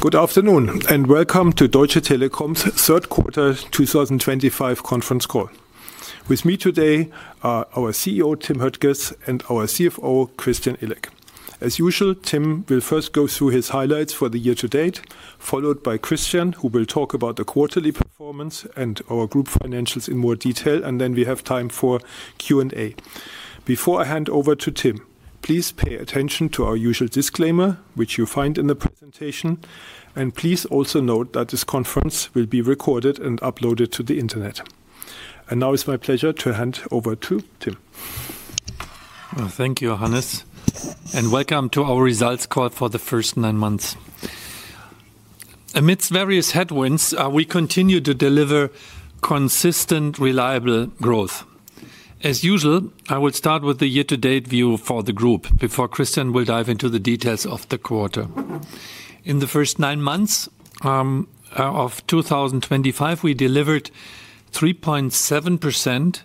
Good afternoon, and welcome to Deutsche Telekom's Third Quarter 2025 conference call. With me today are our CEO, Tim Höttges, and our CFO, Christian Illek. As usual, Tim will first go through his highlights for the year to date, followed by Christian, who will talk about the quarterly performance and our group financials in more detail, and then we have time for Q&A. Before I hand over to Tim, please pay attention to our usual disclaimer, which you find in the presentation, and please also note that this conference will be recorded and uploaded to the internet. Now it's my pleasure to hand over to Tim. Thank you, Hannes, and welcome to our results call for the first nine months. Amidst various headwinds, we continue to deliver consistent, reliable growth. As usual, I will start with the year-to-date view for the group before Christian will dive into the details of the quarter. In the first nine months of 2025, we delivered 3.7%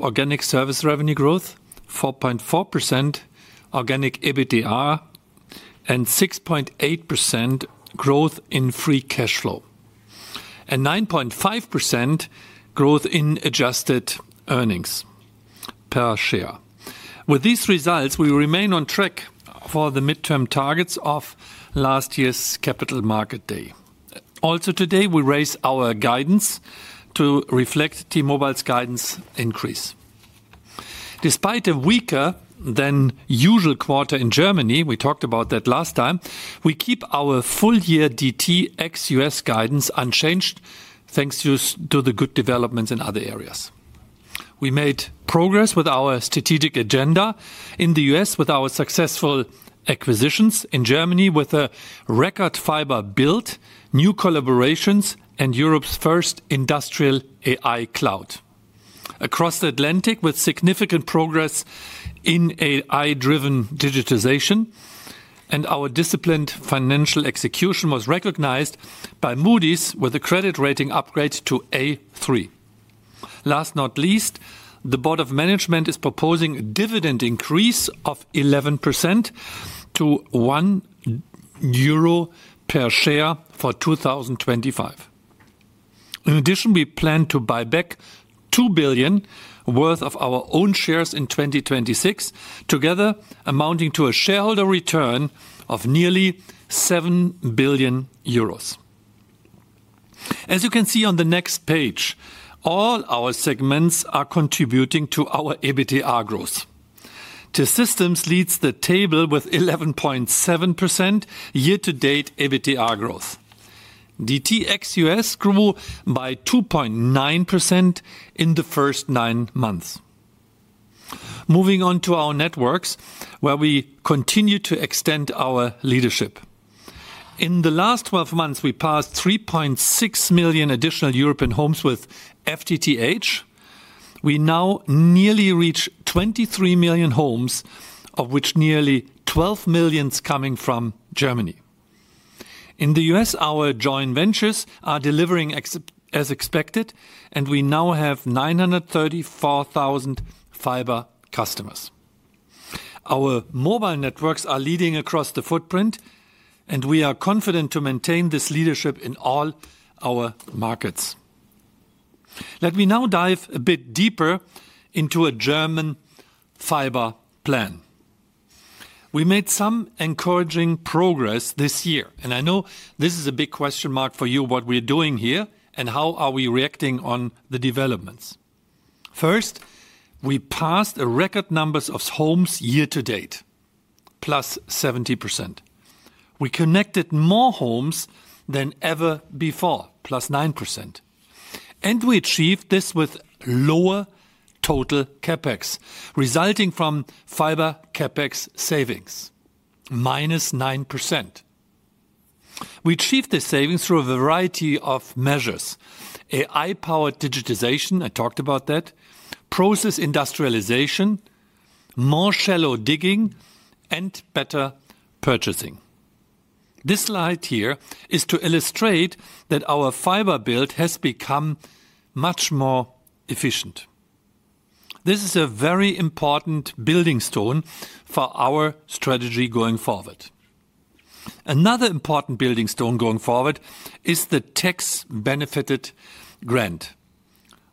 organic service revenue growth, 4.4% organic EBITDA AL, 6.8% growth in free cash flow, and 9.5% growth in adjusted earnings per share. With these results, we remain on track for the midterm targets of last year's capital market day. Also today, we raise our guidance to reflect T-Mobile's guidance increase. Despite a weaker-than-usual quarter in Germany, we talked about that last time, we keep our full-year DT ex US guidance unchanged thanks to the good developments in other areas. We made progress with our strategic agenda in the U.S. with our successful acquisitions, in Germany with a record fiber build, new collaborations, and Europe's first industrial AI cloud. Across the Atlantic, with significant progress in AI-driven digitization, and our disciplined financial execution was recognized by Moody's with a credit rating upgrade to A3. Last but not least, the Board of Management is proposing a dividend increase of 11% to 1 euro per share for 2025. In addition, we plan to buy back 2 billion worth of our own shares in 2026, together amounting to a shareholder return of nearly 7 billion euros. As you can see on the next page, all our segments are contributing to our EBITDA growth. T-Systems leads the table with 11.7% year-to-date EBITDA growth. DT ex US grew by 2.9% in the first nine months. Moving on to our networks, where we continue to extend our leadership. In the last 12 months, we passed 3.6 million additional European homes with FTTH. We now nearly reach 23 million homes, of which nearly 12 million coming from Germany. In the U.S., our joint ventures are delivering as expected, and we now have 934,000 fiber customers. Our mobile networks are leading across the footprint, and we are confident to maintain this leadership in all our markets. Let me now dive a bit deeper into a German fiber plan. We made some encouraging progress this year, and I know this is a big question mark for you, what we're doing here and how are we reacting on the developments. First, we passed a record number of homes year-to-date, plus 70%. We connected more homes than ever before, plus 9%. We achieved this with lower total CapEx, resulting from fiber CapEx savings, minus 9%. We achieved this savings through a variety of measures: AI-powered digitization, I talked about that, process industrialization, more shallow digging, and better purchasing. This slide here is to illustrate that our fiber build has become much more efficient. This is a very important building stone for our strategy going forward. Another important building stone going forward is the tax-benefited grant,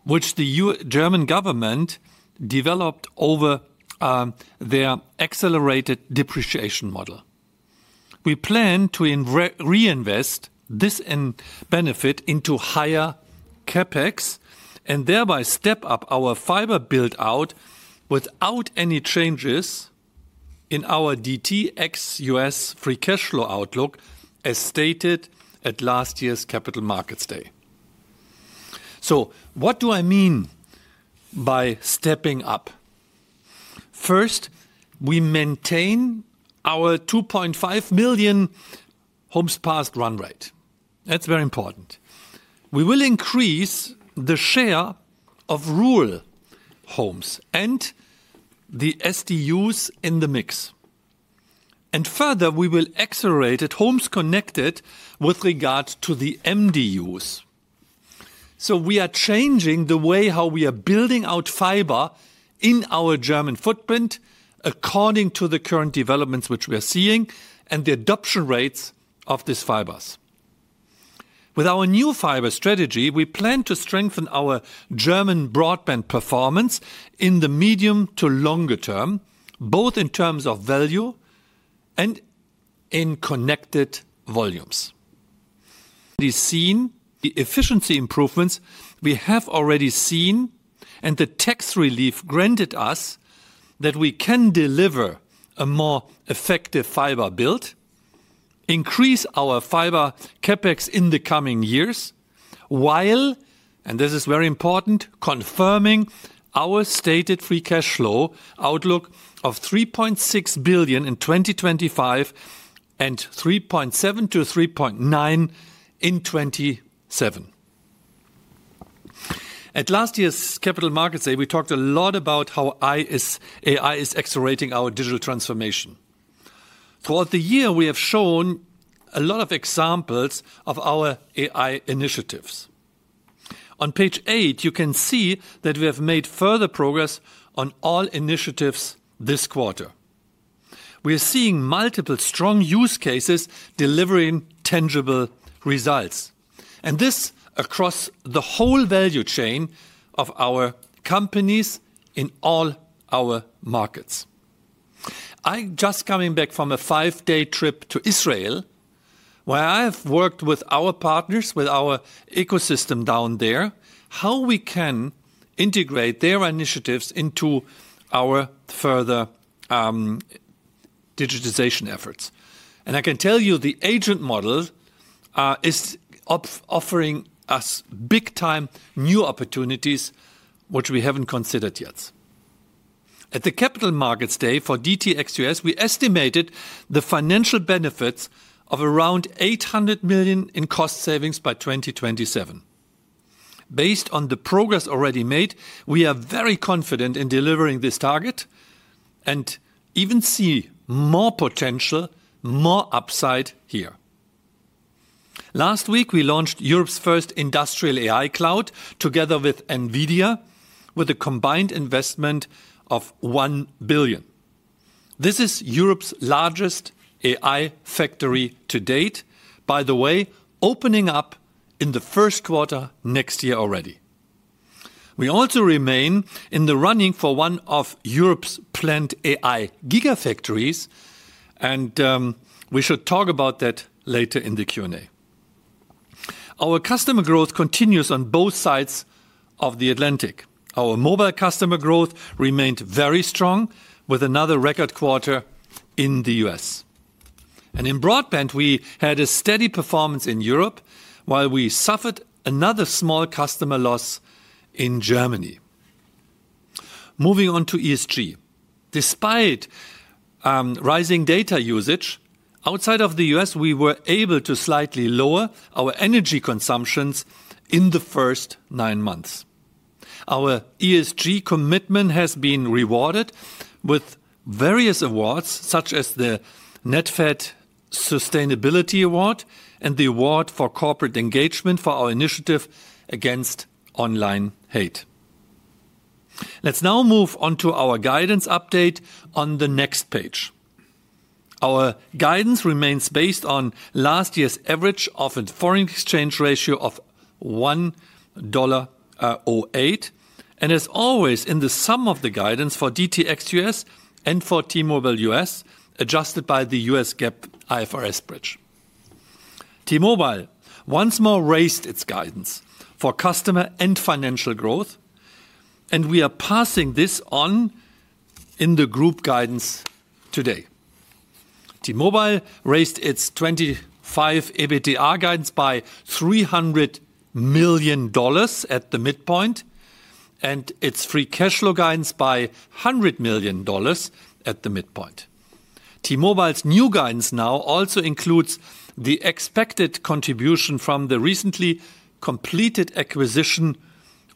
which the German government developed over their accelerated depreciation model. We plan to reinvest this benefit into higher CapEx and thereby step up our fiber build-out without any changes in DT ex US free cash flow outlook, as stated at last year's capital markets day. What do I mean by stepping up? First, we maintain our 2.5 million homes passed run rate. That is very important. We will increase the share of rural homes and the SDUs in the mix. Further, we will accelerate homes connected with regards to the MDUs. We are changing the way how we are building out fiber in our German footprint according to the current developments which we are seeing and the adoption rates of these fibers. With our new fiber strategy, we plan to strengthen our German broadband performance in the medium to longer term, both in terms of value and in connected volumes. The efficiency improvements we have already seen and the tax relief granted us mean that we can deliver a more effective fiber build, increase our fiber CapEx in the coming years, while, and this is very important, confirming our stated free cash flow outlook of 3.6 billion in 2025 and 3.7-3.9 billion in 2027. At last year's capital markets day, we talked a lot about how AI is accelerating our digital transformation. Throughout the year, we have shown a lot of examples of our AI initiatives. On page eight, you can see that we have made further progress on all initiatives this quarter. We are seeing multiple strong use cases delivering tangible results, and this across the whole value chain of our companies in all our markets. I'm just coming back from a five-day trip to Israel, where I have worked with our partners, with our ecosystem down there, how we can integrate their initiatives into our further digitization efforts. I can tell you the agent model is offering us big-time new opportunities, which we haven't considered yet. At the capital markets day DT ex US, we estimated the financial benefits of around 800 million in cost savings by 2027. Based on the progress already made, we are very confident in delivering this target and even see more potential, more upside here. Last week, we launched Europe's first industrial AI cloud together with NVIDIA, with a combined investment of 1 billion. This is Europe's largest AI factory to date, by the way, opening up in the first quarter next year already. We also remain in the running for one of Europe's planned AI gigafactories, and we should talk about that later in the Q&A. Our customer growth continues on both sides of the Atlantic. Our mobile customer growth remained very strong with another record quarter in the U.S.. In broadband, we had a steady performance in Europe, while we suffered another small customer loss in Germany. Moving on to ESG. Despite rising data usage outside of the U.S., we were able to slightly lower our energy consumption in the first nine months. Our ESG commitment has been rewarded with various awards, such as the NetFed Sustainability Award and the Award for Corporate Engagement for our initiative against online hate. Let's now move on to our guidance update on the next page. Our guidance remains based on last year's average of a foreign exchange ratio of 1.08, and as always, in the sum of the guidance DT ex US and for T-Mobile U.S., adjusted by the U.S. GAAP IFRS bridge. T-Mobile once more raised its guidance for customer and financial growth, and we are passing this on in the group guidance today. T-Mobile raised its 2025 EBITDA guidance by $300 million at the midpoint, and its free cash flow guidance by $100 million at the midpoint. T-Mobile's new guidance now also includes the expected contribution from the recently completed acquisition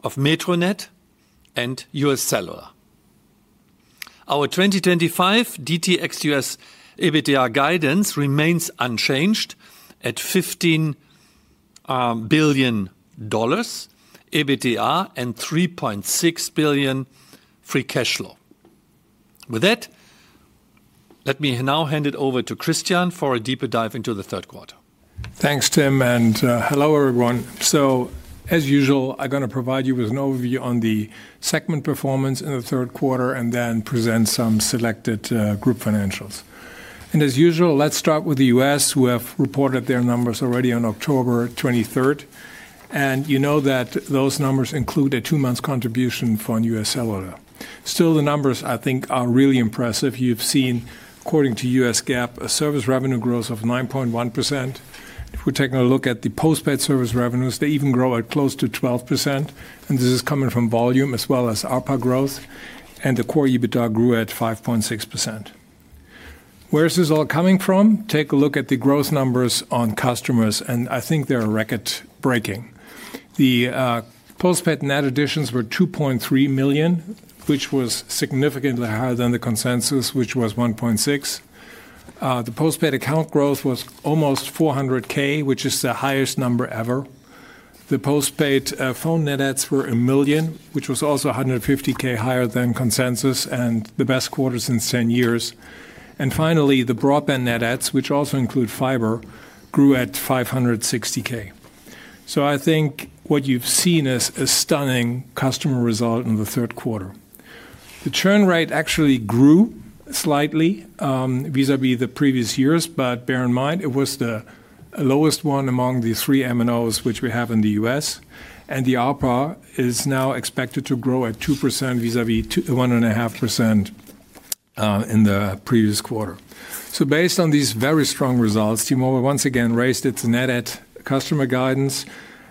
of Metronet and U.S. Cellular. Our 2025 DT ex US EBITDA guidance remains unchanged at $15 billion EBITDA and $3.6 billion free cash flow. With that, let me now hand it over to Christian for a deeper dive into the third quarter. Thanks, Tim, and hello everyone. As usual, I'm going to provide you with an overview on the segment performance in the third quarter and then present some selected group financials. As usual, let's start with the U.S.. We have reported their numbers already on October 23, and you know that those numbers include a two-month contribution from U.S. Cellular. Still, the numbers I think are really impressive. You've seen, according to U.S. GAAP, a service revenue growth of 9.1%. If we take a look at the postpaid service revenues, they even grow at close to 12%, and this is coming from volume as well as ARPA growth, and the core EBITDA grew at 5.6%. Where is this all coming from? Take a look at the growth numbers on customers, and I think they're record-breaking. The postpaid net additions were 2.3 million, which was significantly higher than the consensus, which was 1.6. The postpaid account growth was almost 400,000, which is the highest number ever. The postpaid phone net adds were 1 million, which was also 150,000 higher than consensus and the best quarter since 2014. Finally, the broadband net adds, which also include fiber, grew at 560,000. I think what you've seen is a stunning customer result in the third quarter. The churn rate actually grew slightly vis-à-vis the previous years, but bear in mind it was the lowest one among the three M&Os which we have in the U.S., and the ARPA is now expected to grow at 2% vis-à-vis 1.5% in the previous quarter. Based on these very strong results, T-Mobile once again raised its net add customer guidance.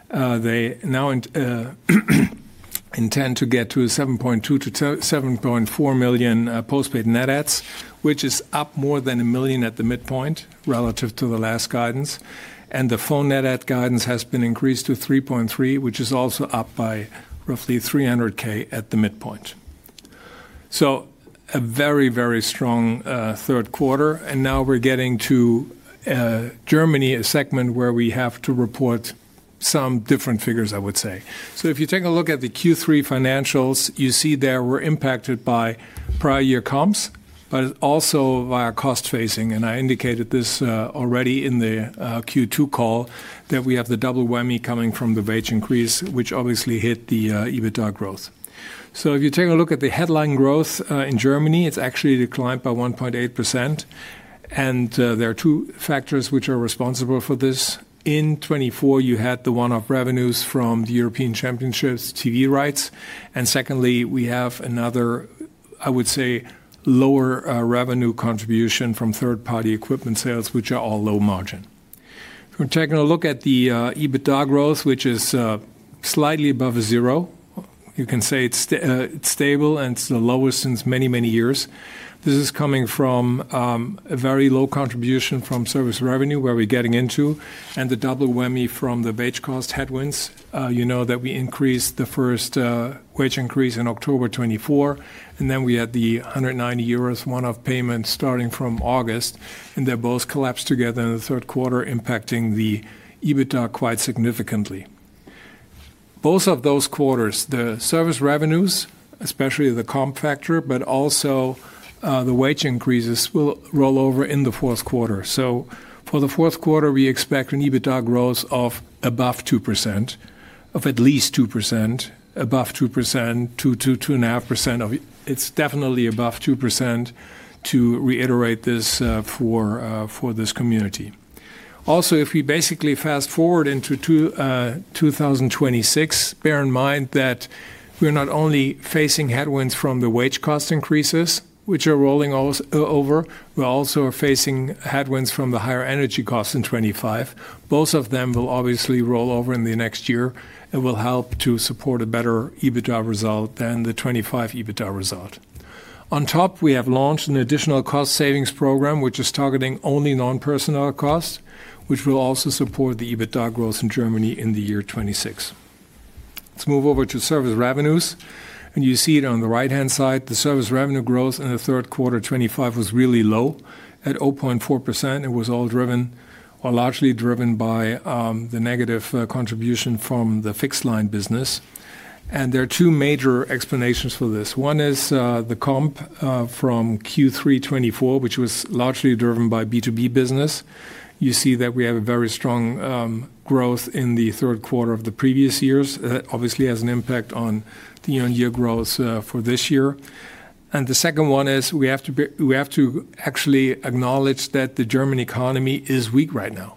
They now intend to get to 7.2-7.4 million postpaid net adds, which is up more than 1 million at the midpoint relative to the last guidance, and the phone net add guidance has been increased to 3.3, which is also up by roughly 300,000 at the midpoint. A very, very strong third quarter, and now we're getting to Germany, a segment where we have to report some different figures, I would say. If you take a look at the Q3 financials, you see there we're impacted by prior year comps, but also by our cost facing, and I indicated this already in the Q2 call that we have the double WEMI coming from the wage increase, which obviously hit the EBITDA growth. If you take a look at the headline growth in Germany, it's actually declined by 1.8%, and there are two factors which are responsible for this. In 2024, you had the one-off revenues from the European Championships TV rights, and secondly, we have another, I would say, lower revenue contribution from third-party equipment sales, which are all low margin. If we're taking a look at the EBITDA growth, which is slightly above zero, you can say it's stable and it's the lowest since many, many years. This is coming from a very low contribution from service revenue, where we're getting into, and the double whammy from the wage cost headwinds. You know that we increased the first wage increase in October 2024, and then we had the 190 euros one-off payment starting from August, and they both collapsed together in the third quarter, impacting the EBITDA quite significantly. Both of those quarters, the service revenues, especially the comp factor, but also the wage increases will roll over in the fourth quarter. For the fourth quarter, we expect an EBITDA growth of above 2%, of at least 2%, above 2%, 2-2.5%. It is definitely above 2% to reiterate this for this community. Also, if we basically fast forward into 2026, bear in mind that we are not only facing headwinds from the wage cost increases, which are rolling over, we are also facing headwinds from the higher energy cost in 2025. Both of them will obviously roll over in the next year and will help to support a better EBITDA result than the 2025 EBITDA result. On top, we have launched an additional cost savings program, which is targeting only non-personnel cost, which will also support the EBITDA growth in Germany in the year 2026. Let's move over to service revenues, and you see it on the right-hand side. The service revenue growth in the third quarter 2025 was really low at 0.4%. It was all driven or largely driven by the negative contribution from the fixed line business, and there are two major explanations for this. One is the comp from Q3 2024, which was largely driven by B2B business. You see that we have a very strong growth in the third quarter of the previous years. That obviously has an impact on the year-on-year growth for this year. The second one is we have to actually acknowledge that the German economy is weak right now,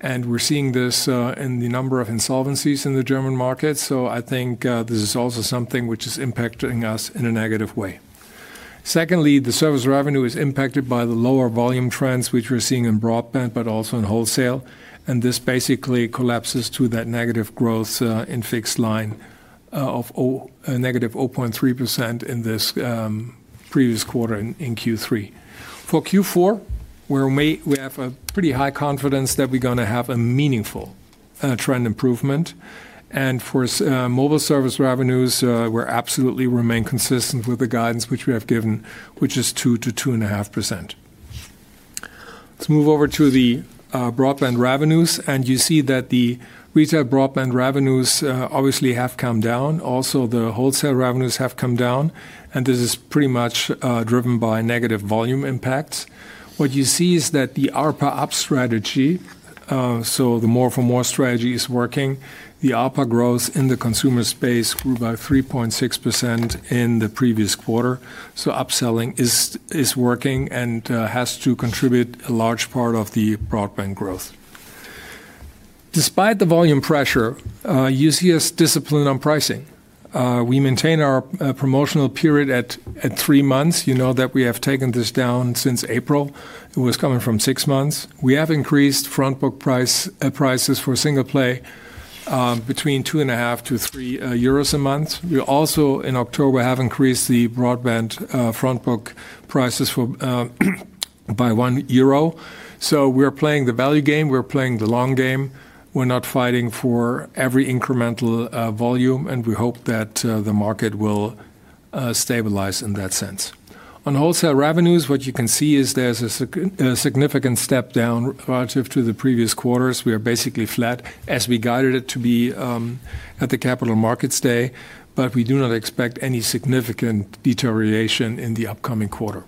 and we're seeing this in the number of insolvencies in the German market. I think this is also something which is impacting us in a negative way. Secondly, the service revenue is impacted by the lower volume trends, which we're seeing in broadband, but also in wholesale, and this basically collapses to that negative growth in fixed line of negative 0.3% in this previous quarter in Q3. For Q4, we have a pretty high confidence that we're going to have a meaningful trend improvement, and for mobile service revenues, we absolutely remain consistent with the guidance which we have given, which is 2%-2.5%. Let's move over to the broadband revenues, and you see that the retail broadband revenues obviously have come down. Also, the wholesale revenues have come down, and this is pretty much driven by negative volume impacts. What you see is that the ARPA up strategy, so the more-for-more strategy is working, the ARPA growth in the consumer space grew by 3.6% in the previous quarter. Upselling is working and has to contribute a large part of the broadband growth. Despite the volume pressure, you see us discipline on pricing. We maintain our promotional period at three months. You know that we have taken this down since April. It was coming from six months. We have increased front book prices for single play between 2.5-3 euros a month. We also, in October, have increased the broadband front book prices by 1 euro. We are playing the value game. We are playing the long game. We are not fighting for every incremental volume, and we hope that the market will stabilize in that sense. On wholesale revenues, what you can see is there is a significant step down relative to the previous quarters. We are basically flat as we guided it to be at the capital markets day, but we do not expect any significant deterioration in the upcoming quarter.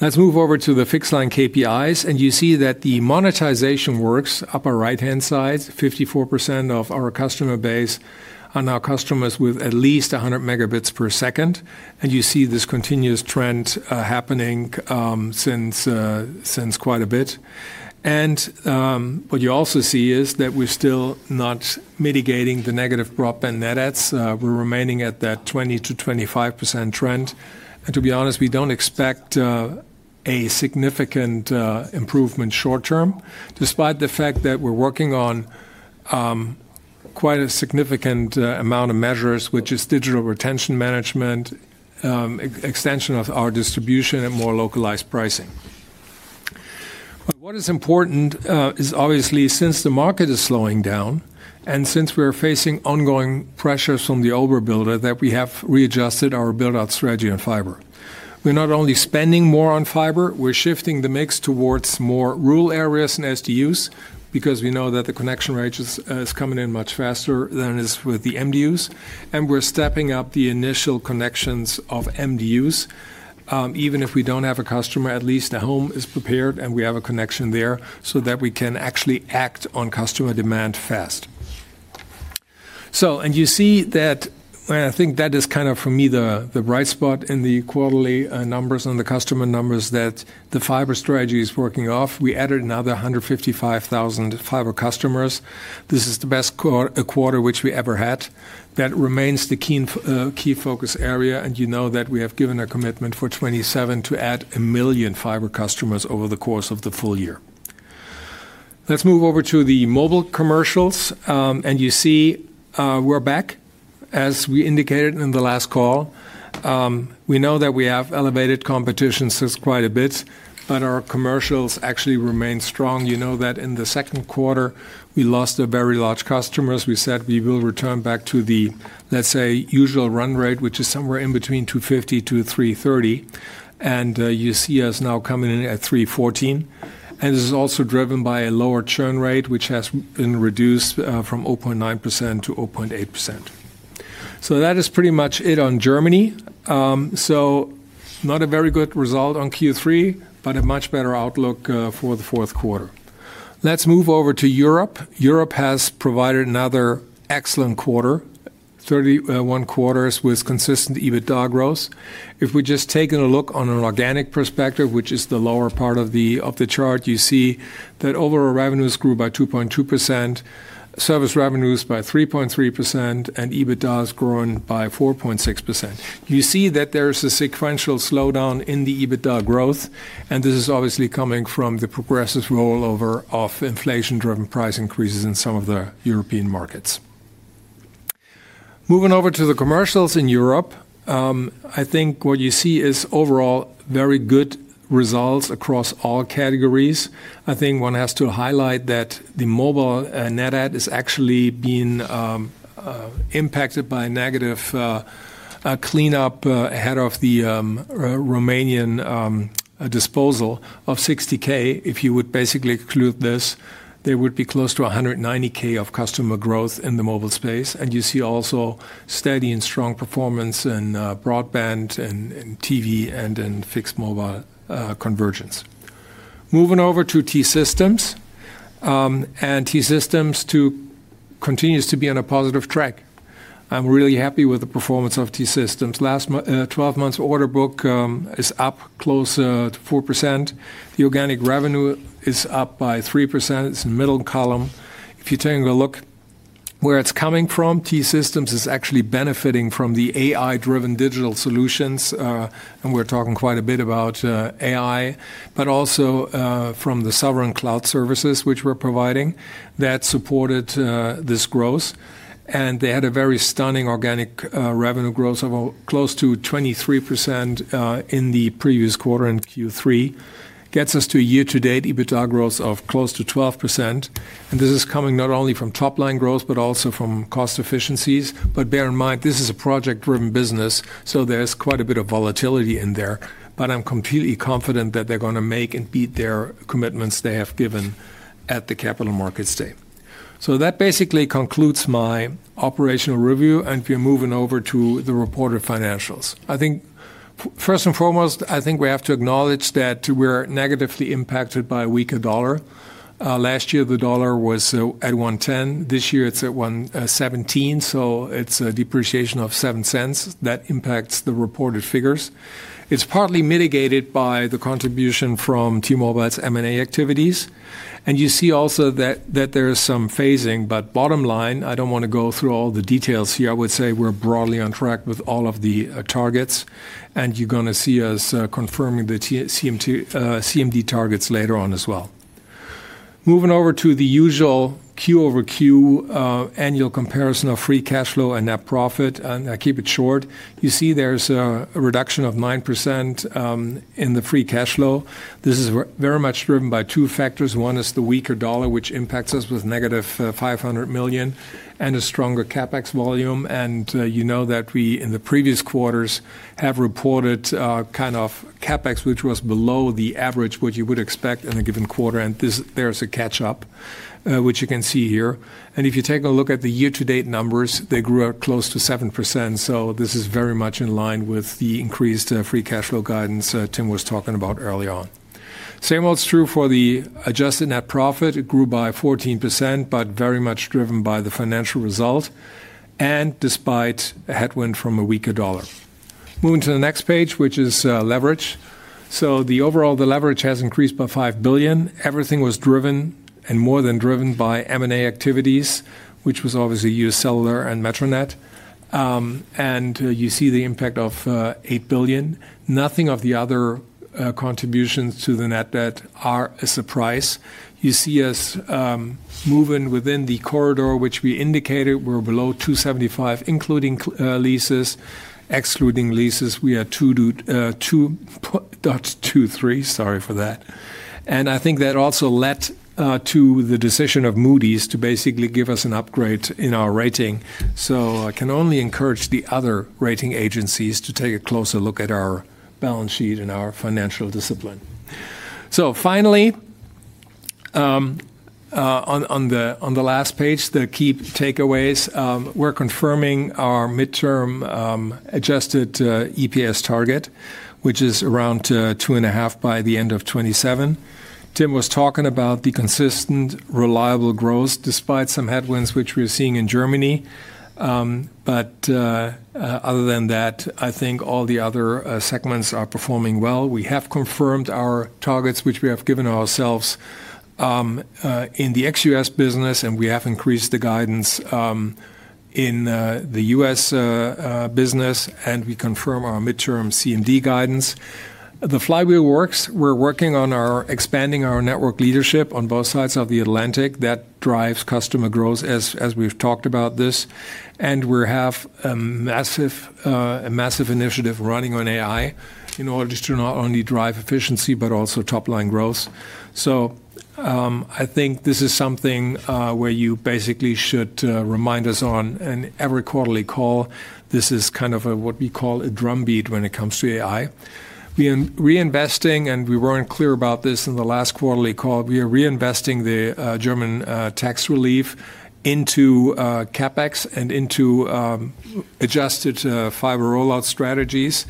Let's move over to the fixed line KPIs, and you see that the monetization works. Upper right-hand side, 54% of our customer base are now customers with at least 100 MB per second, and you see this continuous trend happening since quite a bit. What you also see is that we're still not mitigating the negative broadband net adds. We're remaining at that 20%-25% trend, and to be honest, we don't expect a significant improvement short term, despite the fact that we're working on quite a significant amount of measures, which is digital retention management, extension of our distribution, and more localized pricing. What is important is obviously since the market is slowing down and since we are facing ongoing pressures from the overbuilder that we have readjusted our build-out strategy on fiber. We're not only spending more on fiber. We're shifting the mix towards more rural areas and SDUs because we know that the connection rate is coming in much faster than it is with the MDUs, and we're stepping up the initial connections of MDUs. Even if we don't have a customer, at least a home is prepared, and we have a connection there so that we can actually act on customer demand fast. You see that, and I think that is kind of, for me, the bright spot in the quarterly numbers and the customer numbers that the fiber strategy is working off. We added another 155,000 fiber customers. This is the best quarter which we ever had. That remains the key focus area, and you know that we have given a commitment for 2027 to add a million fiber customers over the course of the full year. Let's move over to the mobile commercials, and you see we're back, as we indicated in the last call. We know that we have elevated competition since quite a bit, but our commercials actually remain strong. You know that in the second quarter, we lost a very large customer. We said we will return back to the, let's say, usual run rate, which is somewhere in between 250-330, and you see us now coming in at 314, and this is also driven by a lower churn rate, which has been reduced from 0.9% to 0.8%. That is pretty much it on Germany. Not a very good result on Q3, but a much better outlook for the fourth quarter. Let's move over to Europe. Europe has provided another excellent quarter, 31 quarters with consistent EBITDA growth. If we just take a look on an organic perspective, which is the lower part of the chart, you see that overall revenues grew by 2.2%, service revenues by 3.3%, and EBITDA has grown by 4.6%. You see that there is a sequential slowdown in the EBITDA growth, and this is obviously coming from the progressive rollover of inflation-driven price increases in some of the European markets. Moving over to the commercials in Europe, I think what you see is overall very good results across all categories. I think one has to highlight that the mobile net add is actually being impacted by negative cleanup ahead of the Romanian disposal of 60,000. If you would basically include this, there would be close to 190,000 of customer growth in the mobile space, and you see also steady and strong performance in broadband and TV and in fixed mobile convergence. Moving over to T-Systems, and T-Systems continues to be on a positive track. I'm really happy with the performance of T-Systems. Last 12 months order book is up close to 4%. The organic revenue is up by 3%. It's in the middle column. If you take a look where it's coming from, T-Systems is actually benefiting from the AI-driven digital solutions, and we're talking quite a bit about AI, but also from the sovereign cloud services which we're providing that supported this growth, and they had a very stunning organic revenue growth of close to 23% in the previous quarter in Q3. Gets us to year-to-date EBITDA growth of close to 12%, and this is coming not only from top-line growth, but also from cost efficiencies. Bear in mind, this is a project-driven business, so there's quite a bit of volatility in there, but I'm completely confident that they're going to make and beat their commitments they have given at the capital markets day. That basically concludes my operational review, and we're moving over to the reported financials. I think first and foremost, we have to acknowledge that we're negatively impacted by a weaker dollar. Last year, the dollar was at $1.10. This year, it's at $1.17, so it's a depreciation of $0.07. That impacts the reported figures. It's partly mitigated by the contribution from T-Mobile's M&A activities, and you see also that there is some phasing, but bottom line, I don't want to go through all the details here. I would say we're broadly on track with all of the targets, and you're going to see us confirming the CMD targets later on as well. Moving over to the usual Q-over-Q annual comparison of free cash flow and net profit, and I keep it short. You see there's a reduction of 9% in the free cash flow. This is very much driven by two factors. One is the weaker dollar, which impacts us with negative $500 million and a stronger CapEx volume, and you know that we in the previous quarters have reported kind of CapEx, which was below the average, which you would expect in a given quarter, and there is a catch-up, which you can see here. If you take a look at the year-to-date numbers, they grew close to 7%, so this is very much in line with the increased free cash flow guidance Tim was talking about early on. Same old is true for the adjusted net profit. It grew by 14%, but very much driven by the financial result and despite a headwind from a weaker dollar. Moving to the next page, which is leverage. Overall, the leverage has increased by $5 billion. Everything was driven and more than driven by M&A activities, which was obviously U.S. Cellular and Metronet, and you see the impact of $8 billion. Nothing of the other contributions to the net debt are a surprise. You see us moving within the corridor, which we indicated we are below 2.75, including leases. Excluding leases, we are 2.23. Sorry for that. I think that also led to the decision of Moody's to basically give us an upgrade in our rating. I can only encourage the other rating agencies to take a closer look at our balance sheet and our financial discipline. Finally, on the last page, the key takeaways, we are confirming our midterm adjusted EPS target, which is around 2.5 by the end of 2027. Tim was talking about the consistent, reliable growth despite some headwinds, which we are seeing in Germany, but other than that, I think all the other segments are performing well. We have confirmed our targets, which we have given ourselves in the ex-U.S. business, and we have increased the guidance in the U.S. business, and we confirm our midterm CMD guidance. The flywheel works. We are working on expanding our network leadership on both sides of the Atlantic. That drives customer growth, as we have talked about this, and we have a massive initiative running on AI in order to not only drive efficiency, but also top-line growth. I think this is something where you basically should remind us on an every quarterly call. This is kind of what we call a drumbeat when it comes to AI. We are reinvesting, and we were not clear about this in the last quarterly call. We are reinvesting the German tax relief into CapEx and into adjusted fiber rollout strategies.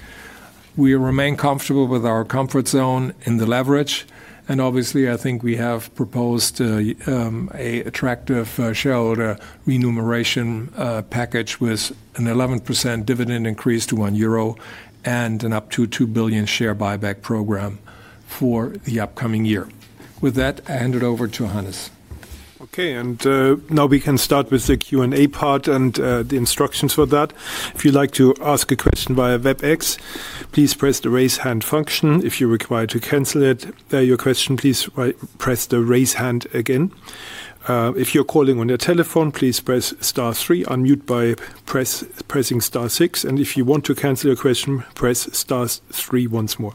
We remain comfortable with our comfort zone in the leverage, and obviously, I think we have proposed an attractive shareholder remuneration package with an 11% dividend increase to 1 euro and an up to 2 billion share buyback program for the upcoming year. With that, I hand it over to Hannes. Okay, and now we can start with the Q&A part and the instructions for that. If you'd like to ask a question via WebEx, please press the raise hand function. If you're required to cancel your question, please press the raise hand again. If you're calling on your telephone, please press star three, unmute by pressing star six, and if you want to cancel your question, press star three once more.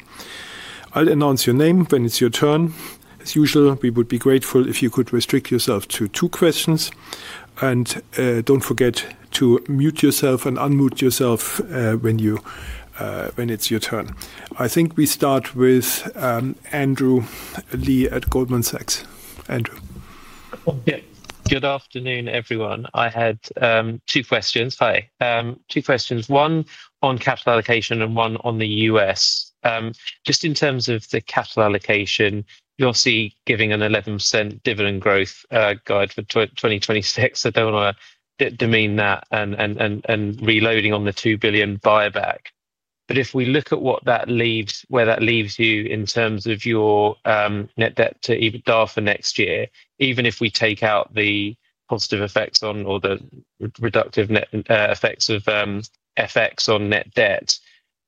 I'll announce your name when it's your turn. As usual, we would be grateful if you could restrict yourself to two questions, and do not forget to mute yourself and unmute yourself when it is your turn. I think we start with Andrew Lee at Goldman Sachs. Andrew. Good afternoon, everyone. I had two questions. Hi. Two questions. One on capital allocation and one on the U.S.. Just in terms of the capital allocation, you are giving an 11% dividend growth guide for 2026. I do not want to demean that and reloading on the $2 billion buyback. If we look at what that leaves, where that leaves you in terms of your net debt to EBITDA for next year, even if we take out the positive effects on or the reductive effects of FX on net debt,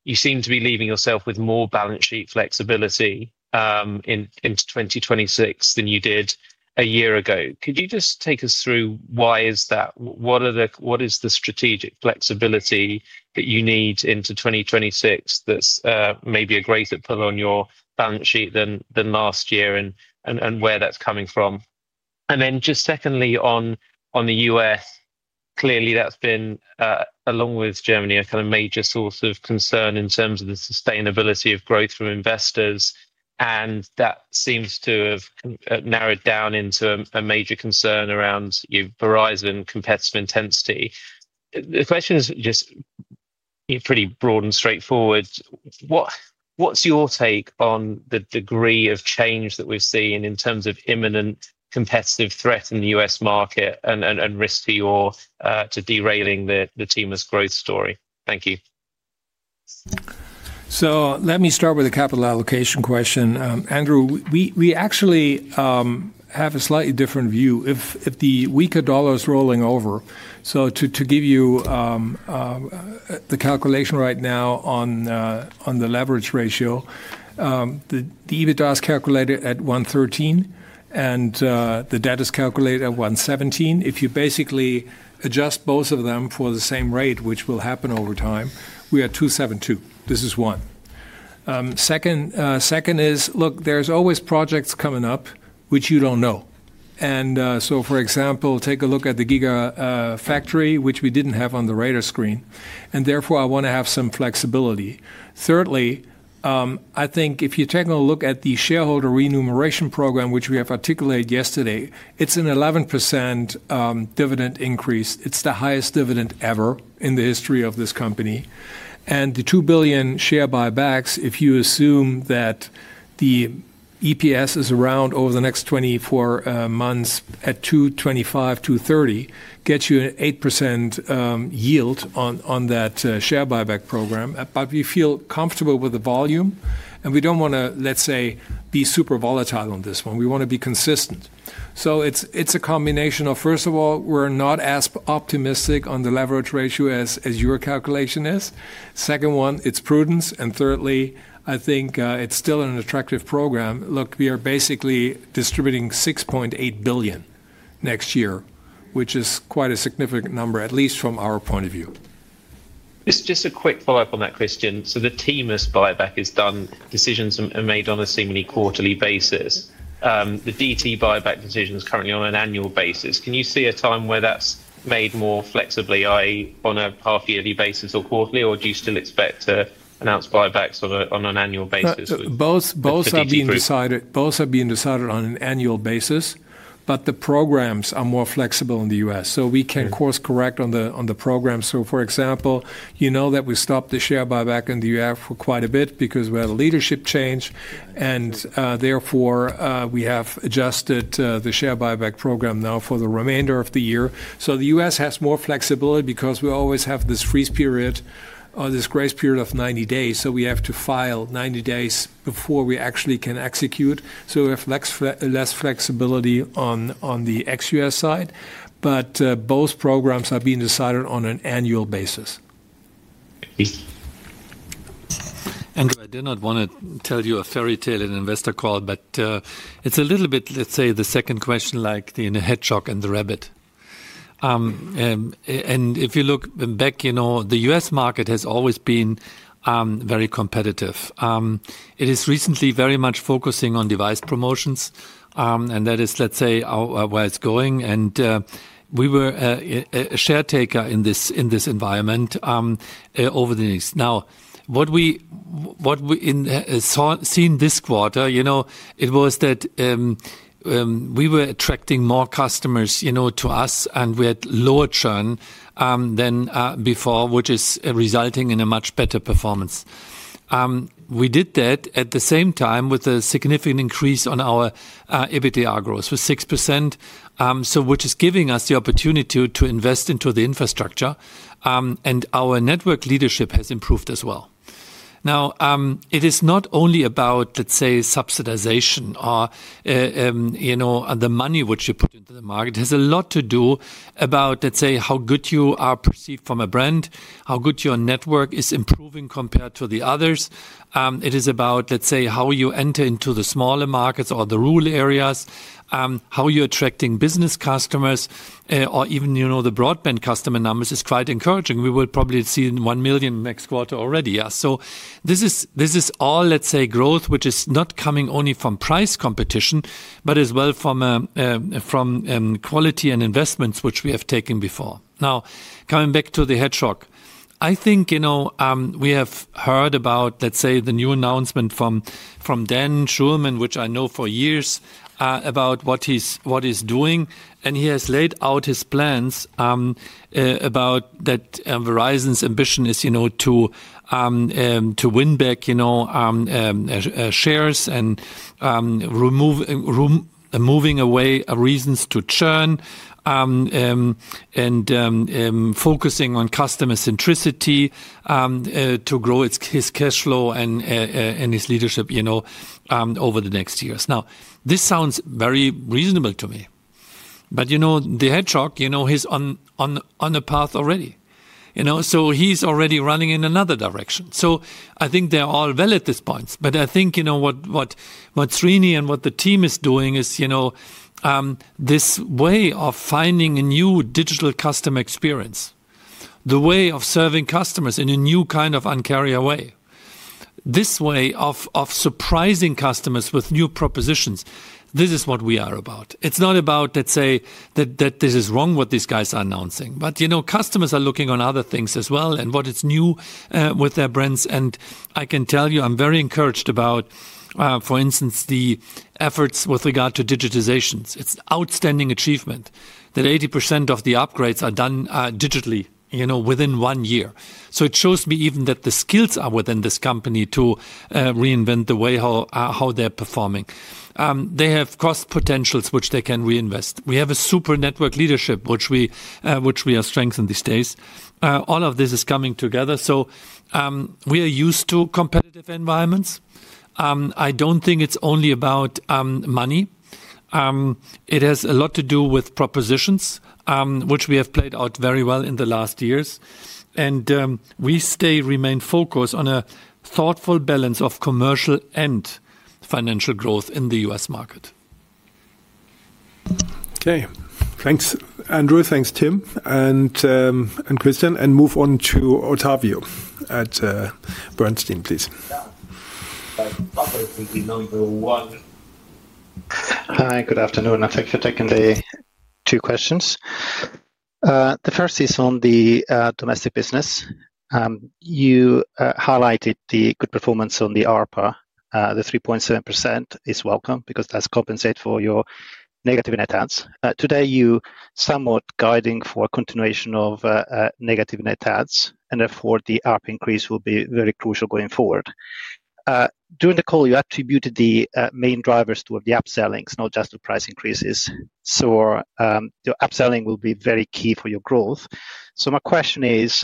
you seem to be leaving yourself with more balance sheet flexibility into 2026 than you did a year ago. Could you just take us through why is that? What is the strategic flexibility that you need into 2026 that's maybe a greater pull on your balance sheet than last year and where that's coming from? Secondly, on the U.S., clearly that's been, along with Germany, a kind of major source of concern in terms of the sustainability of growth from investors, and that seems to have narrowed down into a major concern around Verizon competitive intensity. The question is just pretty broad and straightforward. What's your take on the degree of change that we've seen in terms of imminent competitive threat in the U.S. market and risk to your to derailing the team's growth story? Thank you. Let me start with a capital allocation question. Andrew, we actually have a slightly different view. If the weaker dollar is rolling over, to give you the calculation right now on the leverage ratio, the EBITDA is calculated at 113, and the debt is calculated at 117. If you basically adjust both of them for the same rate, which will happen over time, we are at 2.72. This is one. Second is, look, there's always projects coming up which you don't know. For example, take a look at the gigafactory, which we didn't have on the radar screen, and therefore I want to have some flexibility. Thirdly, I think if you take a look at the shareholder remuneration program, which we have articulated yesterday, it's an 11% dividend increase. It's the highest dividend ever in the history of this company. The 2 billion share buybacks, if you assume that the EPS is around over the next 24 months at 2.25, 2.30, gets you an 8% yield on that share buyback program. We feel comfortable with the volume, and we do not want to, let's say, be super volatile on this one. We want to be consistent. It is a combination of, first of all, we are not as optimistic on the leverage ratio as your calculation is. Second one, it is prudence. Thirdly, I think it is still an attractive program. Look, we are basically distributing 6.8 billion next year, which is quite a significant number, at least from our point of view. Just a quick follow-up on that question. The team's buyback is done. Decisions are made on a seemingly quarterly basis. The DT buyback decision is currently on an annual basis. Can you see a time where that's made more flexibly, i.e., on a half-yearly basis or quarterly, or do you still expect to announce buybacks on an annual basis? Both have been decided. Both have been decided on an annual basis, but the programs are more flexible in the U.S.. We can course-correct on the program. For example, you know that we stopped the share buyback in the U.S. for quite a bit because we had a leadership change, and therefore we have adjusted the share buyback program now for the remainder of the year. The U.S. has more flexibility because we always have this freeze period or this grace period of 90 days. We have to file 90 days before we actually can execute. We have less flexibility on the ex-U.S. side, but both programs are being decided on an annual basis. Andrew, I did not want to tell you a fairy tale in investor call, but it's a little bit, let's say, the second question, like the hedgehog and the rabbit. If you look back, the U.S. market has always been very competitive. It is recently very much focusing on device promotions, and that is, let's say, where it's going. We were a share taker in this environment over the years. Now, what we seen this quarter, it was that we were attracting more customers to us, and we had lower churn than before, which is resulting in a much better performance. We did that at the same time with a significant increase on our EBITDA growth with 6%, which is giving us the opportunity to invest into the infrastructure, and our network leadership has improved as well. Now, it is not only about, let's say, subsidization or the money which you put into the market. It has a lot to do about, let's say, how good you are perceived from a brand, how good your network is improving compared to the others. It is about, let's say, how you enter into the smaller markets or the rural areas, how you're attracting business customers, or even the broadband customer numbers is quite encouraging. We will probably see 1 million next quarter already. This is all, let's say, growth, which is not coming only from price competition, but as well from quality and investments which we have taken before. Now, coming back to the hedgehog, I think we have heard about, let's say, the new announcement from Dan Schulman, which I know for years about what he's doing, and he has laid out his plans about that Verizon's ambition is to win back shares and moving away reasons to churn and focusing on customer centricity to grow his cash flow and his leadership over the next years. Now, this sounds very reasonable to me, but the hedgehog, he's on a path already. He's already running in another direction. I think they're all well at this point, but I think what Srini and what the team is doing is this way of finding a new digital customer experience, the way of serving customers in a new kind of uncarrier way, this way of surprising customers with new propositions. This is what we are about. It's not about, let's say, that this is wrong what these guys are announcing, but customers are looking on other things as well and what is new with their brands. I can tell you, I'm very encouraged about, for instance, the efforts with regard to digitizations. It's an outstanding achievement that 80% of the upgrades are done digitally within one year. It shows me even that the skills are within this company to reinvent the way how they're performing. They have cost potentials which they can reinvest. We have a super network leadership which we are strengthening these days. All of this is coming together. We are used to competitive environments. I don't think it's only about money. It has a lot to do with propositions, which we have played out very well in the last years. We stay, remain focused on a thoughtful balance of commercial and financial growth in the U.S. market. Okay. Thanks, Andrew. Thanks, Tim and Christian. Move on to Ottavio at Bernstein, please. Hi. Good afternoon. Thanks for taking the two questions. The first is on the domestic business. You highlighted the good performance on the ARPA. The 3.7% is welcome because that has compensated for your negative net adds. Today, you are somewhat guiding for a continuation of negative net adds, and therefore the ARPA increase will be very crucial going forward. During the call, you attributed the main drivers to the upsellings, not just the price increases. The upselling will be very key for your growth. My question is,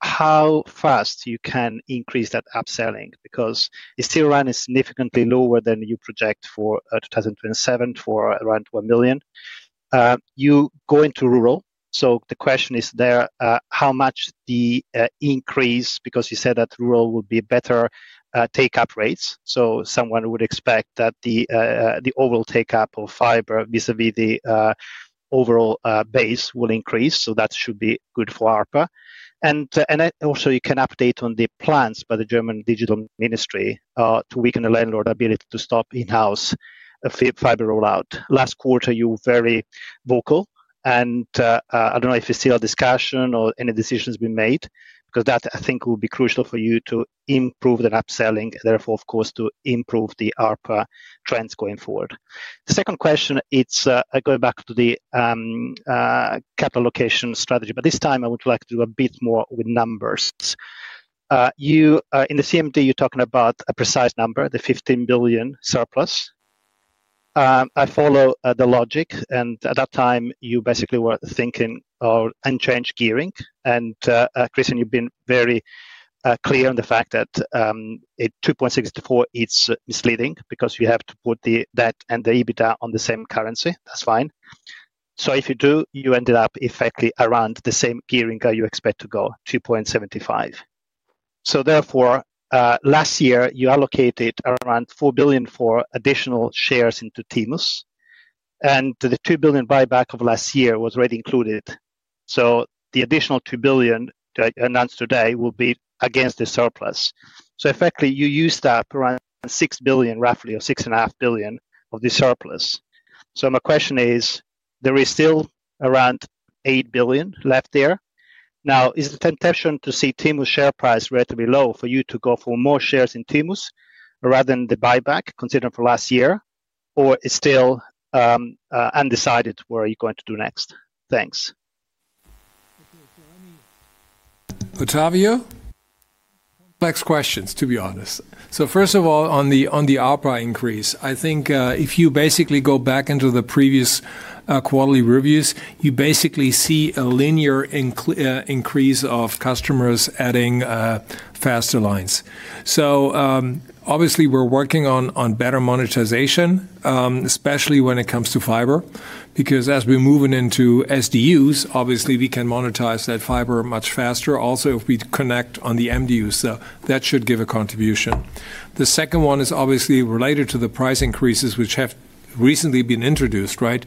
how fast you can increase that upselling because it is still running significantly lower than you project for 2027 for around 1 million. You go into rural. The question is there, how much the increase, because you said that rural would be better take-up rates. Someone would expect that the overall take-up of fiber vis-à-vis the overall base will increase. That should be good for ARPA. Also, you can update on the plans by the German Digital Ministry to weaken the landlord ability to stop in-house fiber rollout. Last quarter, you were very vocal, and I do not know if you see our discussion or any decisions being made because that, I think, will be crucial for you to improve the upselling, therefore, of course, to improve the ARPA trends going forward. The second question, it is going back to the capital allocation strategy, but this time, I would like to do a bit more with numbers. In the CMD, you are talking about a precise number, the 15 billion surplus. I follow the logic, and at that time, you basically were thinking of unchanged gearing. And Christian, you have been very clear on the fact that 2.64 is misleading because you have to put that and the EBITDA on the same currency. That is fine. If you do, you ended up effectively around the same gearing that you expect to go, 2.75. Therefore, last year, you allocated around 4 billion for additional shares into T-Mobile U.S., and the 2 billion buyback of last year was already included. The additional 2 billion announced today will be against the surplus. Effectively, you used up around 6 billion, roughly, or 6.5 billion of the surplus. My question is, there is still around 8 billion left there. Now, is the temptation to see T-Mobile U.S. share price relatively low for you to go for more shares in T-Mobile U.S. rather than the buyback considered for last year, or it's still undecided where are you going to do next? Thanks. Ottavio, complex questions, to be honest. First of all, on the ARPA increase, I think if you basically go back into the previous quarterly reviews, you basically see a linear increase of customers adding faster lines. Obviously, we're working on better monetization, especially when it comes to fiber, because as we're moving into SDUs, we can monetize that fiber much faster. Also, if we connect on the MDUs, that should give a contribution. The second one is related to the price increases which have recently been introduced, right?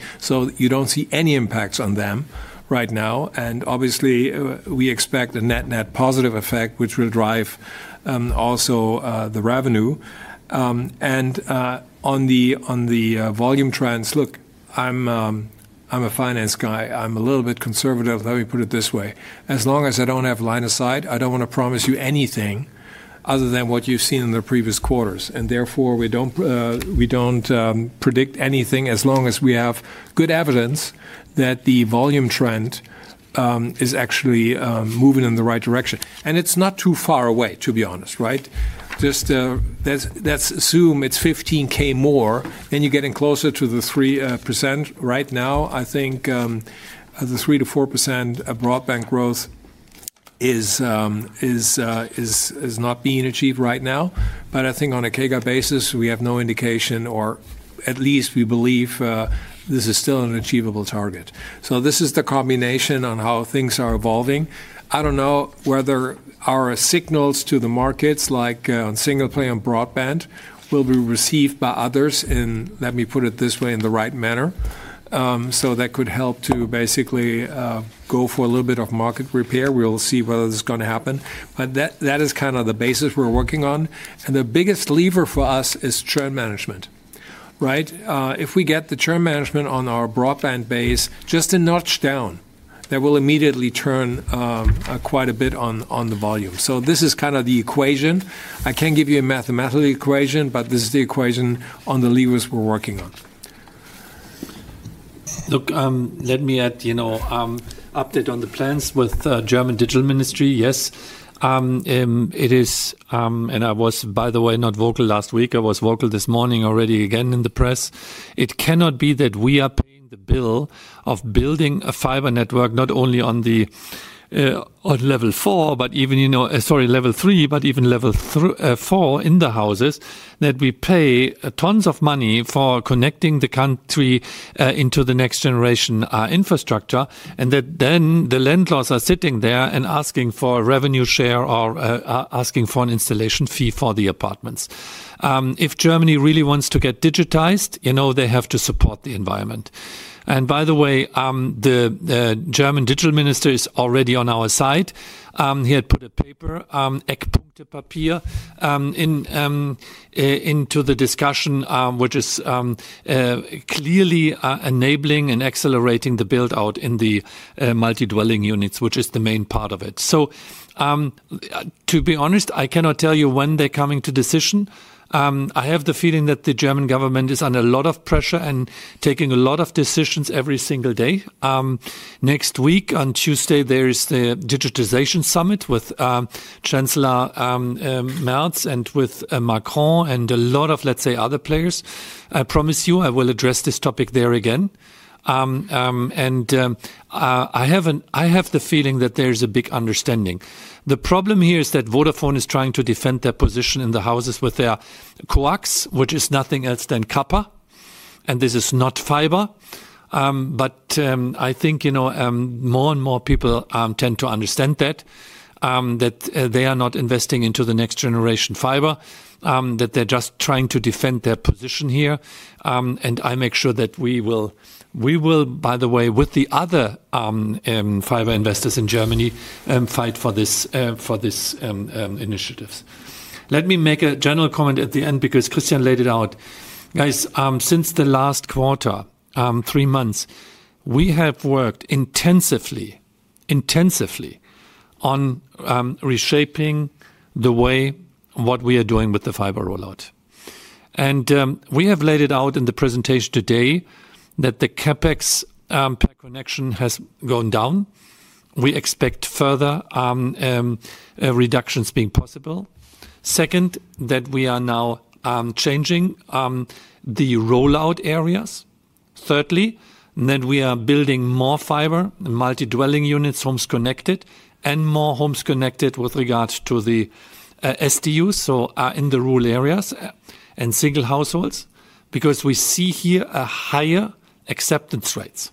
You don't see any impacts on them right now. Obviously, we expect a net-net positive effect, which will drive also the revenue. On the volume trends, look, I'm a finance guy. I'm a little bit conservative. Let me put it this way. As long as I do not have line of sight, I do not want to promise you anything other than what you have seen in the previous quarters. Therefore, we do not predict anything as long as we have good evidence that the volume trend is actually moving in the right direction. It is not too far away, to be honest, right? Just let's assume it is 15,000 more. You are getting closer to the 3% right now. I think the 3-4% broadband growth is not being achieved right now. I think on a CAGR basis, we have no indication, or at least we believe this is still an achievable target. This is the combination on how things are evolving. I don't know whether our signals to the markets, like on single-player and broadband, will be received by others in, let me put it this way, in the right manner. That could help to basically go for a little bit of market repair. We'll see whether it's going to happen. That is kind of the basis we're working on. The biggest lever for us is churn management, right? If we get the churn management on our broadband base just a notch down, that will immediately churn quite a bit on the volume. This is kind of the equation. I can't give you a mathematical equation, but this is the equation on the levers we're working on. Look, let me add update on the plans with German Digital Ministry. Yes, it is, and I was, by the way, not vocal last week. I was vocal this morning already again in the press. It cannot be that we are paying the bill of building a fiber network not only on level four, but even, sorry, level three, but even level four in the houses, that we pay tons of money for connecting the country into the next generation infrastructure, and that then the landlords are sitting there and asking for a revenue share or asking for an installation fee for the apartments. If Germany really wants to get digitized, they have to support the environment. By the way, the German Digital Minister is already on our side. He had put a paper, Eckpunktepapier, into the discussion, which is clearly enabling and accelerating the build-out in the multi-dwelling units, which is the main part of it. To be honest, I cannot tell you when they're coming to a decision. I have the feeling that the German government is under a lot of pressure and taking a lot of decisions every single day. Next week, on Tuesday, there is the digitization summit with Chancellor Merz and with Macron and a lot of, let's say, other players. I promise you, I will address this topic there again. I have the feeling that there is a big understanding. The problem here is that Vodafone is trying to defend their position in the houses with their coax, which is nothing else than CAPA. This is not fiber. I think more and more people tend to understand that, that they are not investing into the next generation fiber, that they're just trying to defend their position here. I make sure that we will, by the way, with the other fiber investors in Germany, fight for these initiatives. Let me make a general comment at the end because Christian laid it out. Guys, since the last quarter, three months, we have worked intensively, intensively on reshaping the way what we are doing with the fiber rollout. We have laid it out in the presentation today that the CapEx per connection has gone down. We expect further reductions being possible. Second, that we are now changing the rollout areas. Thirdly, that we are building more fiber, multi-dwelling units, homes connected, and more homes connected with regards to the SDUs, so in the rural areas and single households, because we see here a higher acceptance rates.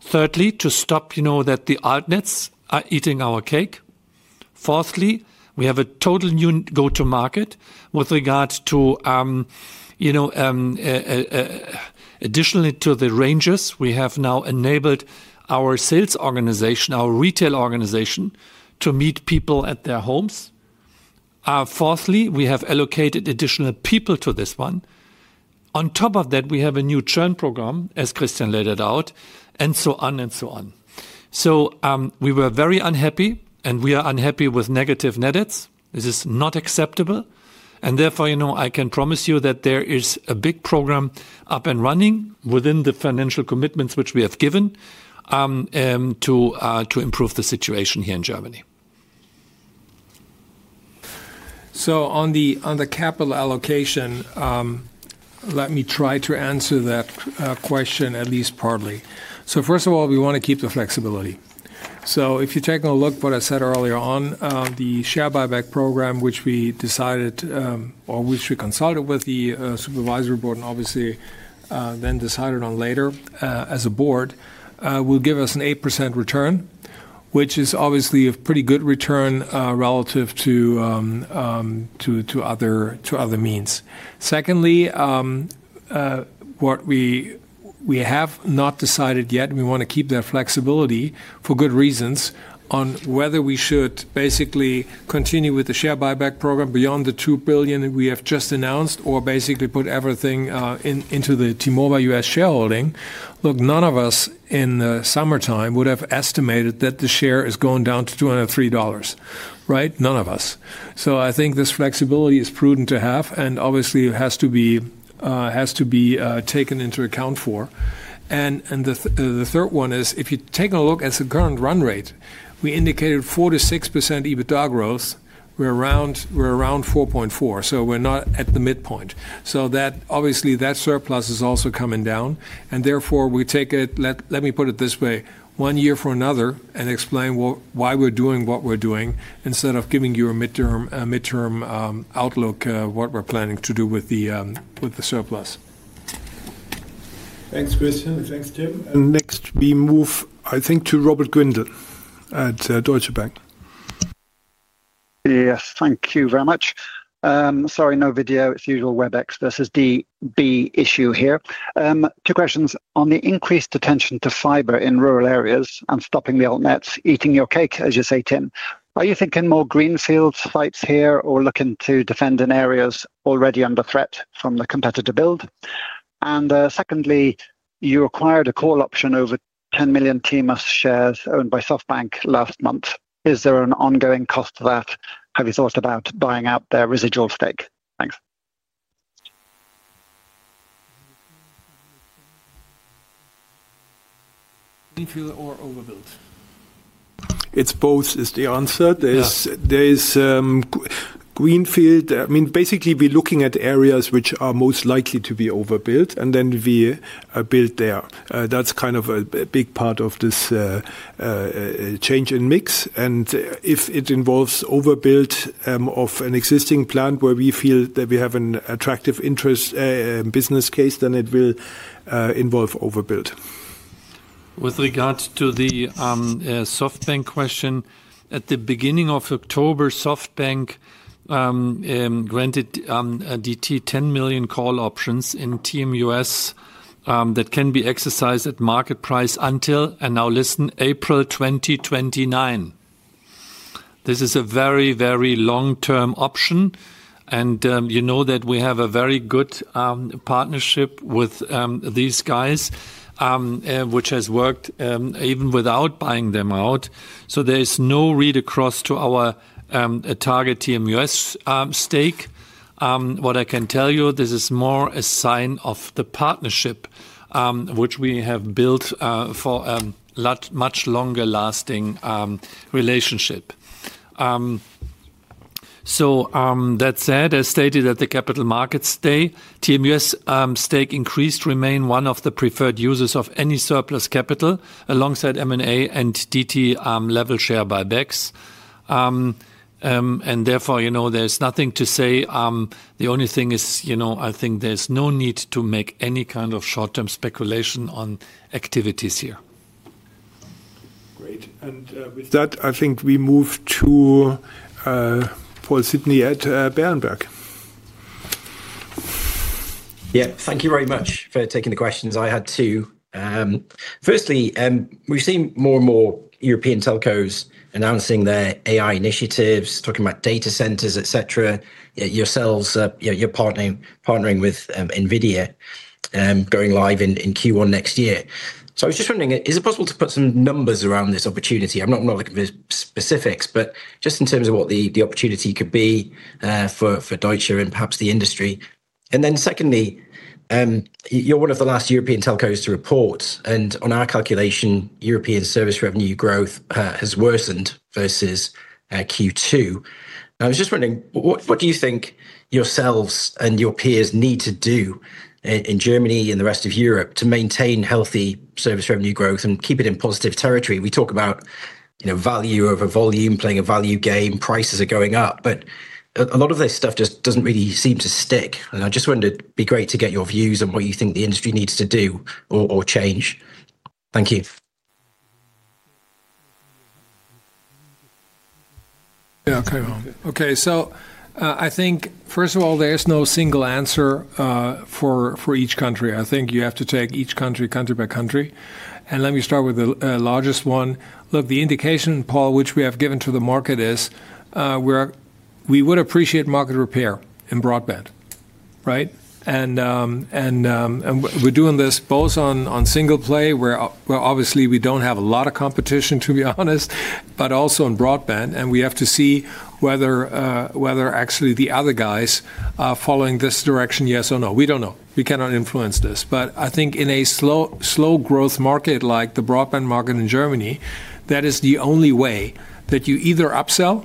Thirdly, to stop that the Altnets are eating our cake. Fourthly, we have a total new go-to-market with regards to, additionally to the ranges, we have now enabled our sales organization, our retail organization, to meet people at their homes. Fourthly, we have allocated additional people to this one. On top of that, we have a new churn program, as Christian laid it out, and so on and so on. We were very unhappy, and we are unhappy with negative net adds. This is not acceptable. Therefore, I can promise you that there is a big program up and running within the financial commitments which we have given to improve the situation here in Germany. On the capital allocation, let me try to answer that question at least partly. First of all, we want to keep the flexibility. If you're taking a look at what I said earlier on, the share buyback program, which we decided, or which we consulted with the Supervisory Board and obviously then decided on later as a board, will give us an 8% return, which is obviously a pretty good return relative to other means. Secondly, what we have not decided yet, we want to keep that flexibility for good reasons on whether we should basically continue with the share buyback program beyond the 2 billion we have just announced or basically put everything into the T-Mobile U.S. shareholding. Look, none of us in the summertime would have estimated that the share is going down to $203, right? None of us. I think this flexibility is prudent to have, and obviously, it has to be taken into account for. The third one is, if you take a look at the current run rate, we indicated 46% EBITDA growth. We're around 4.4, so we're not at the midpoint. Obviously, that surplus is also coming down. Therefore, we take it, let me put it this way, one year for another and explain why we're doing what we're doing instead of giving you a midterm outlook of what we're planning to do with the surplus. Thanks, Christian. Thanks, Tim. Next, we move, I think, to Robert Grindle at Deutsche Bank. Yes, thank you very much. Sorry, no video. It's usual WebEx versus DB issue here. Two questions on the increased attention to fiber in rural areas and stopping the Altnets, eating your cake, as you say, Tim. Are you thinking more greenfield sites here or looking to defend in areas already under threat from the competitor build? Secondly, you acquired a call option over 10 million TMUS shares owned by SoftBank last month. Is there an ongoing cost to that? Have you thought about buying out their residual stake? Thanks. Greenfield or overbuilt? It is both, is the answer. There is greenfield. I mean, basically, we are looking at areas which are most likely to be overbuilt, and then we build there. That is kind of a big part of this change in mix. If it involves overbuilt of an existing plant where we feel that we have an attractive interest business case, then it will involve overbuilt. With regards to the SoftBank question, at the beginning of October, SoftBank granted DT 10 million call options in TMUS that can be exercised at market price until, and now listen, April 2029. This is a very, very long-term option. You know that we have a very good partnership with these guys, which has worked even without buying them out. There is no read across to our target TMUS stake. What I can tell you, this is more a sign of the partnership, which we have built for a much longer-lasting relationship. That said, as stated at the capital markets day, TMUS stake increased to remain one of the preferred users of any surplus capital alongside M&A and DT level share buybacks. Therefore, there is nothing to say. The only thing is, I think there is no need to make any kind of short-term speculation on activities here. Great. With that, I think we move to Paul Sidney at Berenberg. Thank you very much for taking the questions. I had two. Firstly, we've seen more and more European telcos announcing their AI initiatives, talking about data centers, etc., yourselves, you're partnering with NVIDIA, going live in Q1 next year. I was just wondering, is it possible to put some numbers around this opportunity? I'm not looking for specifics, but just in terms of what the opportunity could be for Deutsche Telekom and perhaps the industry. Secondly, you're one of the last European telcos to report. On our calculation, European service revenue growth has worsened versus Q2. I was just wondering, what do you think yourselves and your peers need to do in Germany and the rest of Europe to maintain healthy service revenue growth and keep it in positive territory? We talk about value over volume, playing a value game, prices are going up, but a lot of this stuff just doesn't really seem to stick. I just wondered, it'd be great to get your views on what you think the industry needs to do or change. Thank you. Yeah, okay. Okay. I think, first of all, there is no single answer for each country. I think you have to take each country country by country. Let me start with the largest one. Look, the indication, Paul, which we have given to the market is we would appreciate market repair in broadband, right? We are doing this both on single play, where obviously we do not have a lot of competition, to be honest, but also in broadband. We have to see whether actually the other guys are following this direction, yes or no. We do not know. We cannot influence this. I think in a slow growth market like the broadband market in Germany, that is the only way that you either upsell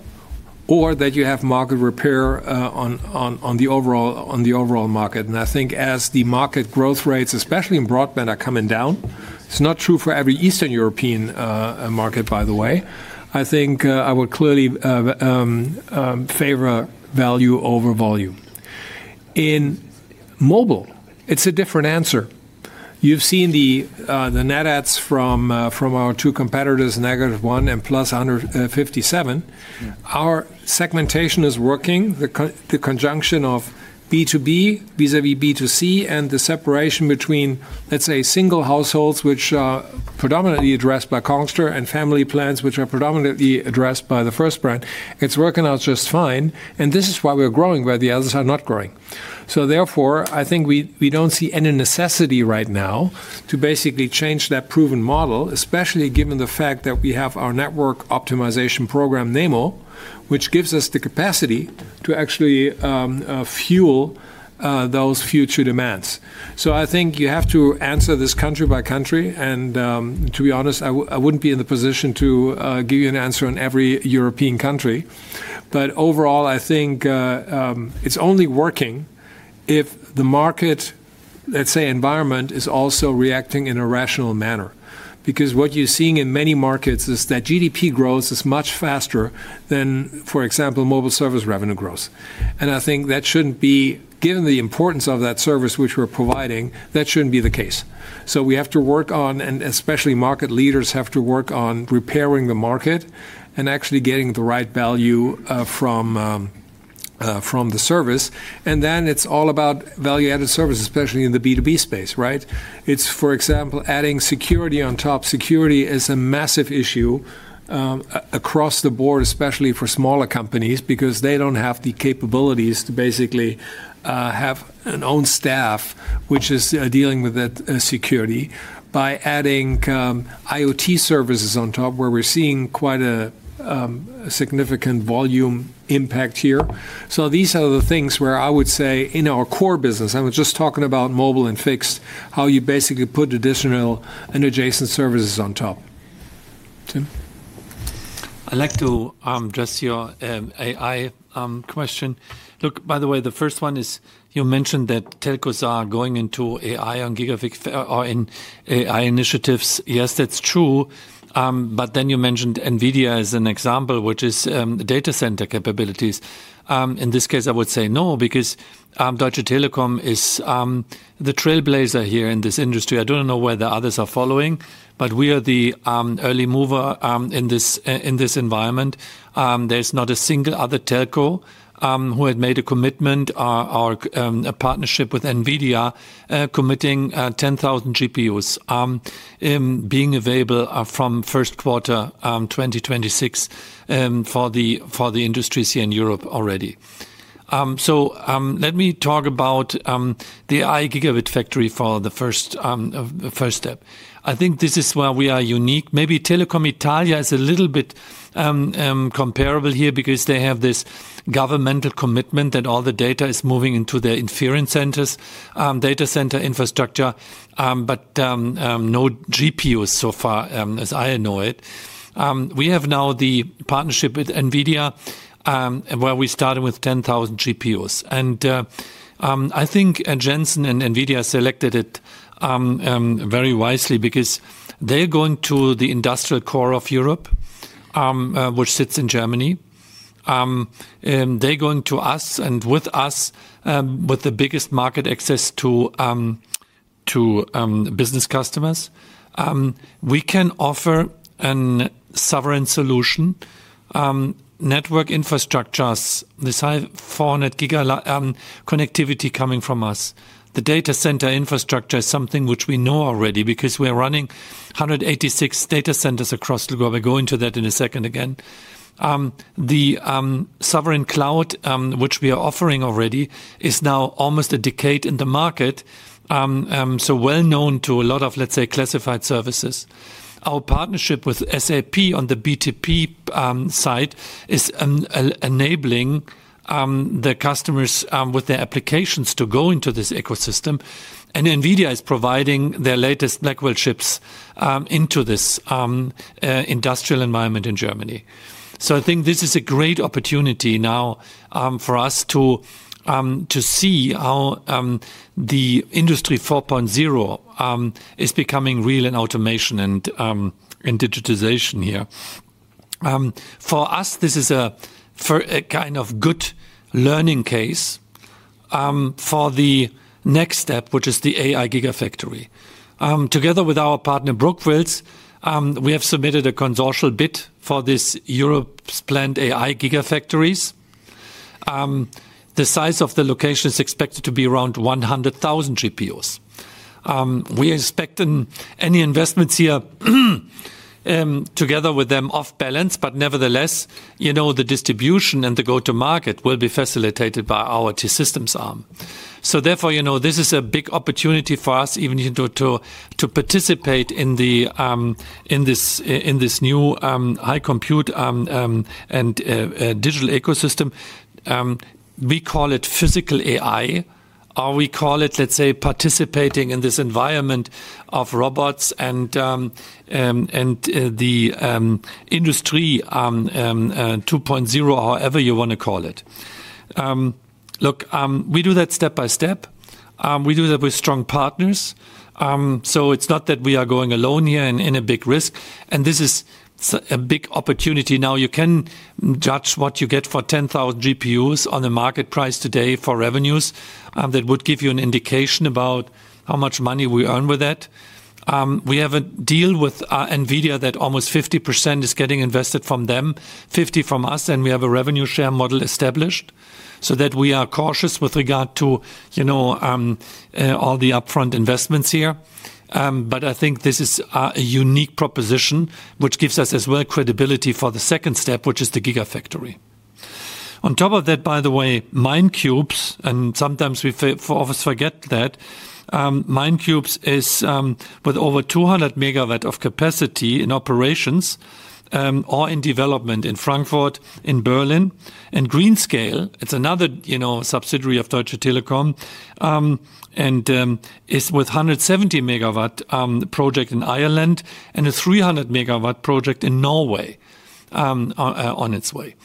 or that you have market repair on the overall market. I think as the market growth rates, especially in broadband, are coming down, it's not true for every Eastern European market, by the way. I think I would clearly favor value over volume. In mobile, it's a different answer. You've seen the net adds from our two competitors, -1 and +157. Our segmentation is working. The conjunction of B2B vis-à-vis B2C and the separation between, let's say, single households, which are predominantly addressed by Congstar and family plans, which are predominantly addressed by the first brand, it's working out just fine. This is why we're growing, where the others are not growing. Therefore, I think we do not see any necessity right now to basically change that proven model, especially given the fact that we have our Network Optimization Program, NEMO, which gives us the capacity to actually fuel those future demands. I think you have to answer this country by country. To be honest, I would not be in the position to give you an answer on every European country. Overall, I think it is only working if the market, let's say, environment is also reacting in a rational manner. Because what you are seeing in many markets is that GDP growth is much faster than, for example, mobile service revenue growth. I think that should not be, given the importance of that service which we are providing, that should not be the case. We have to work on, and especially market leaders have to work on repairing the market and actually getting the right value from the service. It's all about value-added service, especially in the B2B space, right? It's, for example, adding security on top. Security is a massive issue across the board, especially for smaller companies because they don't have the capabilities to basically have an own staff which is dealing with that security by adding IoT services on top, where we're seeing quite a significant volume impact here. These are the things where I would say in our core business, I was just talking about mobile and fixed, how you basically put additional and adjacent services on top. Tim? I'd like to address your AI question. Look, by the way, the first one is you mentioned that telcos are going into AI on gigabit or in AI initiatives. Yes, that's true. You mentioned NVIDIA as an example, which is data center capabilities. In this case, I would say no because Deutsche Telekom is the trailblazer here in this industry. I do not know where the others are following, but we are the early mover in this environment. There is not a single other telco who had made a commitment, our partnership with NVIDIA, committing 10,000 GPUs being available from first quarter 2026 for the industry here in Europe already. Let me talk about the AI gigabit factory for the first step. I think this is where we are unique. Maybe Telecom Italia is a little bit comparable here because they have this governmental commitment that all the data is moving into their inference centers, data center infrastructure, but no GPUs so far as I know it. We have now the partnership with NVIDIA where we started with 10,000 GPUs. I think Jensen and NVIDIA selected it very wisely because they are going to the industrial core of Europe, which sits in Germany. They are going to us and with us, with the biggest market access to business customers. We can offer a sovereign solution, network infrastructures, this high 400 gig connectivity coming from us. The data center infrastructure is something which we know already because we are running 186 data centers across the globe. I will go into that in a second again. The sovereign cloud, which we are offering already, is now almost a decade in the market, so well known to a lot of, let's say, classified services. Our partnership with SAP on the B2P side is enabling the customers with their applications to go into this ecosystem. NVIDIA is providing their latest Blackwell chips into this industrial environment in Germany. I think this is a great opportunity now for us to see how the industry 4.0 is becoming real in automation and digitization here. For us, this is a kind of good learning case for the next step, which is the AI gigafactory. Together with our partner, Brookfield, we have submitted a consortial bid for this Europe's planned AI gigafactories. The size of the location is expected to be around 100,000 GPUs. We expect any investments here together with them off balance, but nevertheless, the distribution and the go-to-market will be facilitated by our T-Systems arm. Therefore, this is a big opportunity for us even to participate in this new high compute and digital ecosystem. We call it physical AI, or we call it, let's say, participating in this environment of robots and the industry 2.0, however you want to call it. Look, we do that step by step. We do that with strong partners. It is not that we are going alone here in a big risk. This is a big opportunity. Now, you can judge what you get for 10,000 GPUs on the market price today for revenues. That would give you an indication about how much money we earn with that. We have a deal with NVIDIA that almost 50% is getting invested from them, 50% from us, and we have a revenue share model established so that we are cautious with regard to all the upfront investments here. I think this is a unique proposition which gives us as well credibility for the second step, which is the gigafactory. On top of that, by the way, maincubes, and sometimes we always forget that, maincubes is with over 200 MW of capacity in operations or in development in Frankfurt, in Berlin, and GreenScale, it's another subsidiary of Deutsche Telekom and is with 170 megawatt project in Ireland and a 300 megawatt project in Norway on its way.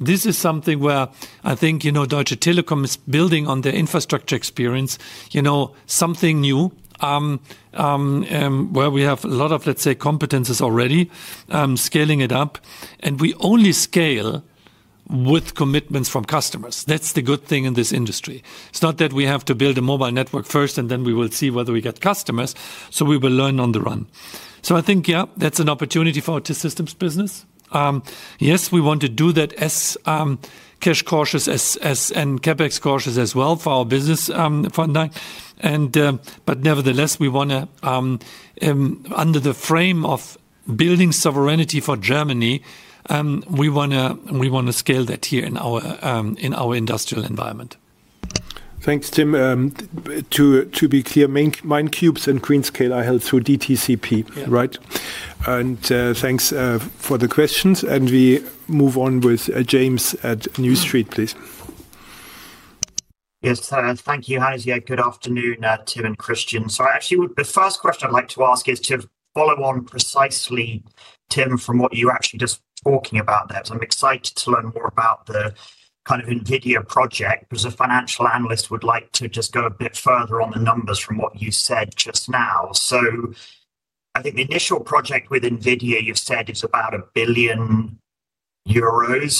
This is something where I think Deutsche Telekom is building on their infrastructure experience, something new where we have a lot of, let's say, competencies already, scaling it up. We only scale with commitments from customers. That is the good thing in this industry. It is not that we have to build a mobile network first and then we will see whether we get customers. We will learn on the run. I think, yeah, that is an opportunity for our T-Systems business. Yes, we want to do that as cash cautious and CapEx cautious as well for our business. Nevertheless, we want to, under the frame of building sovereignty for Germany, scale that here in our industrial environment. Thanks, Tim. To be clear, maincubes and GreenScale are held through DTCP, right? Thanks for the questions. We move on with James at New Street, please. Yes, thank you, Hannes. Good afternoon, Tim and Christian. Actually, the first question I'd like to ask is to follow on precisely, Tim, from what you actually just talking about there. I'm excited to learn more about the kind of NVIDIA project, which a financial analyst would like to just go a bit further on the numbers from what you said just now. I think the initial project with NVIDIA, you've said it's about 1 billion euros,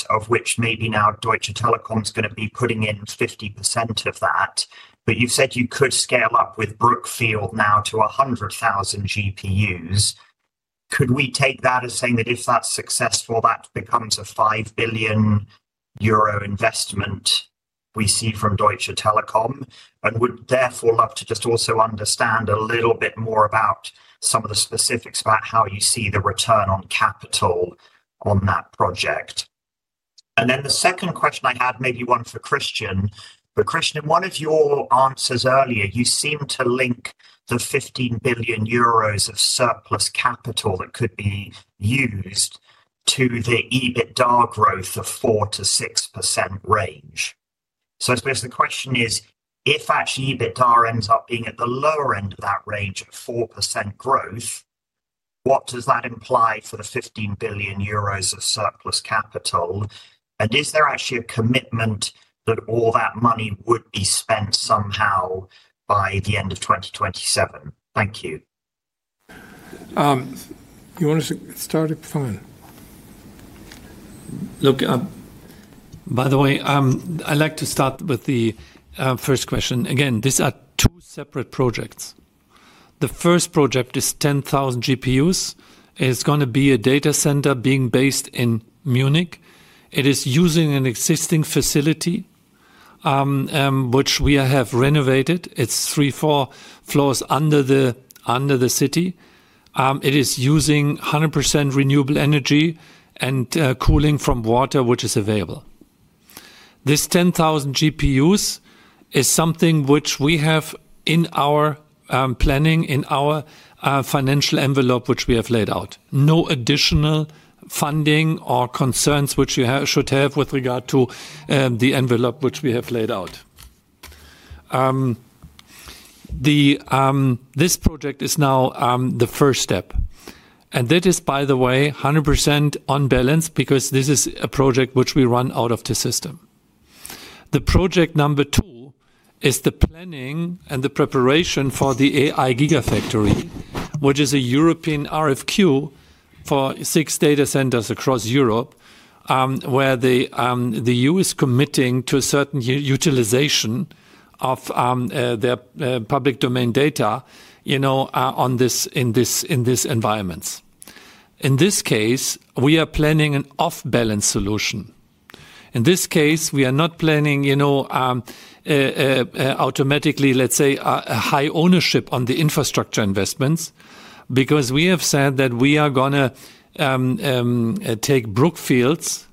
of which maybe now Deutsche Telekom is going to be putting in 50% of that. You've said you could scale up with Brookfield now to 100,000 GPUs. Could we take that as saying that if that's successful, that becomes a 5 billion euro investment we see from Deutsche Telekom? Would therefore love to just also understand a little bit more about some of the specifics about how you see the return on capital on that project. Then the second question I had, maybe one for Christian. Christian, in one of your answers earlier, you seem to link the 15 billion euros of surplus capital that could be used to the EBITDA growth of 4%-6% range. I suppose the question is, if actually EBITDA ends up being at the lower end of that range of 4% growth, what does that imply for the 15 billion euros of surplus capital? Is there actually a commitment that all that money would be spent somehow by the end of 2027? Thank you. You want to start it? Fine. By the way, I'd like to start with the first question. Again, these are two separate projects. The first project is 10,000 GPUs. It's going to be a data center being based in Munich. It is using an existing facility, which we have renovated. It's three, four floors under the city. It is using 100% renewable energy and cooling from water, which is available. This 10,000 GPUs is something which we have in our planning, in our financial envelope which we have laid out. No additional funding or concerns which you should have with regard to the envelope which we have laid out. This project is now the first step. That is, by the way, 100% on balance because this is a project which we run out of T-Systems. The project number two is the planning and the preparation for the AI gigafactory, which is a European RFQ for six data centers across Europe, where the U.S. is committing to a certain utilization of their public domain data in this environment. In this case, we are planning an off-balance solution. In this case, we are not planning automatically, let's say, a high ownership on the infrastructure investments because we have said that we are going to take Brookfield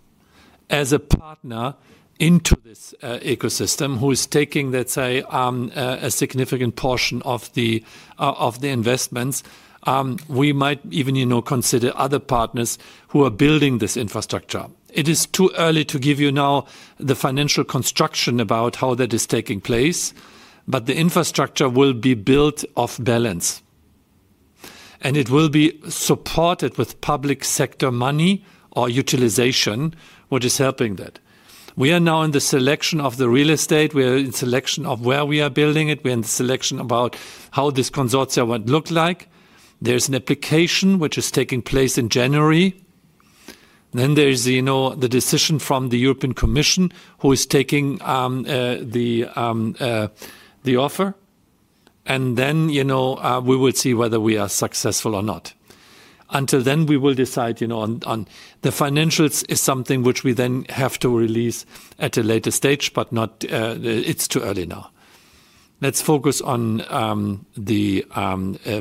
as a partner into this ecosystem who is taking, let's say, a significant portion of the investments. We might even consider other partners who are building this infrastructure. It is too early to give you now the financial construction about how that is taking place, but the infrastructure will be built off balance. It will be supported with public sector money or utilization, which is helping that. We are now in the selection of the real estate. We are in the selection of where we are building it. We are in the selection about how this consortium would look like. There is an application which is taking place in January. There is the decision from the European Commission who is taking the offer. We will see whether we are successful or not. Until then, we will decide on the financials, which is something we then have to release at a later stage, but it is too early now. Let's focus on the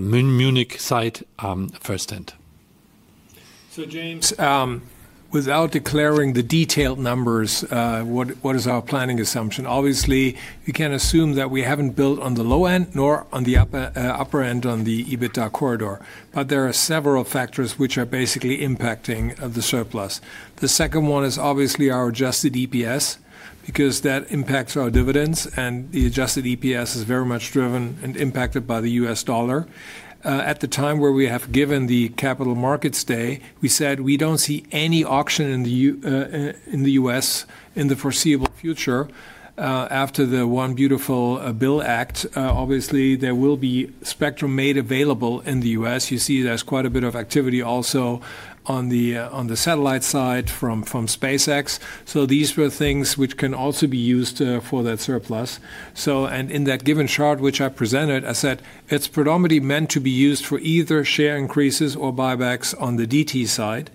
Munich site firsthand. James, without declaring the detailed numbers, what is our planning assumption? Obviously, we can assume that we have not built on the low end nor on the upper end on the EBITDA corridor. There are several factors which are basically impacting the surplus. The second one is obviously our adjusted EPS because that impacts our dividends. The adjusted EPS is very much driven and impacted by the U.S. dollar. At the time where we have given the capital market stay, we said we do not see any auction in the U.S. in the foreseeable future after the One Beautiful Bill Act. Obviously, there will be spectrum made available in the U.S. You see there is quite a bit of activity also on the satellite side from SpaceX. These were things which can also be used for that surplus. In that given chart which I presented, I said it is predominantly meant to be used for either share increases or buybacks on the DT side,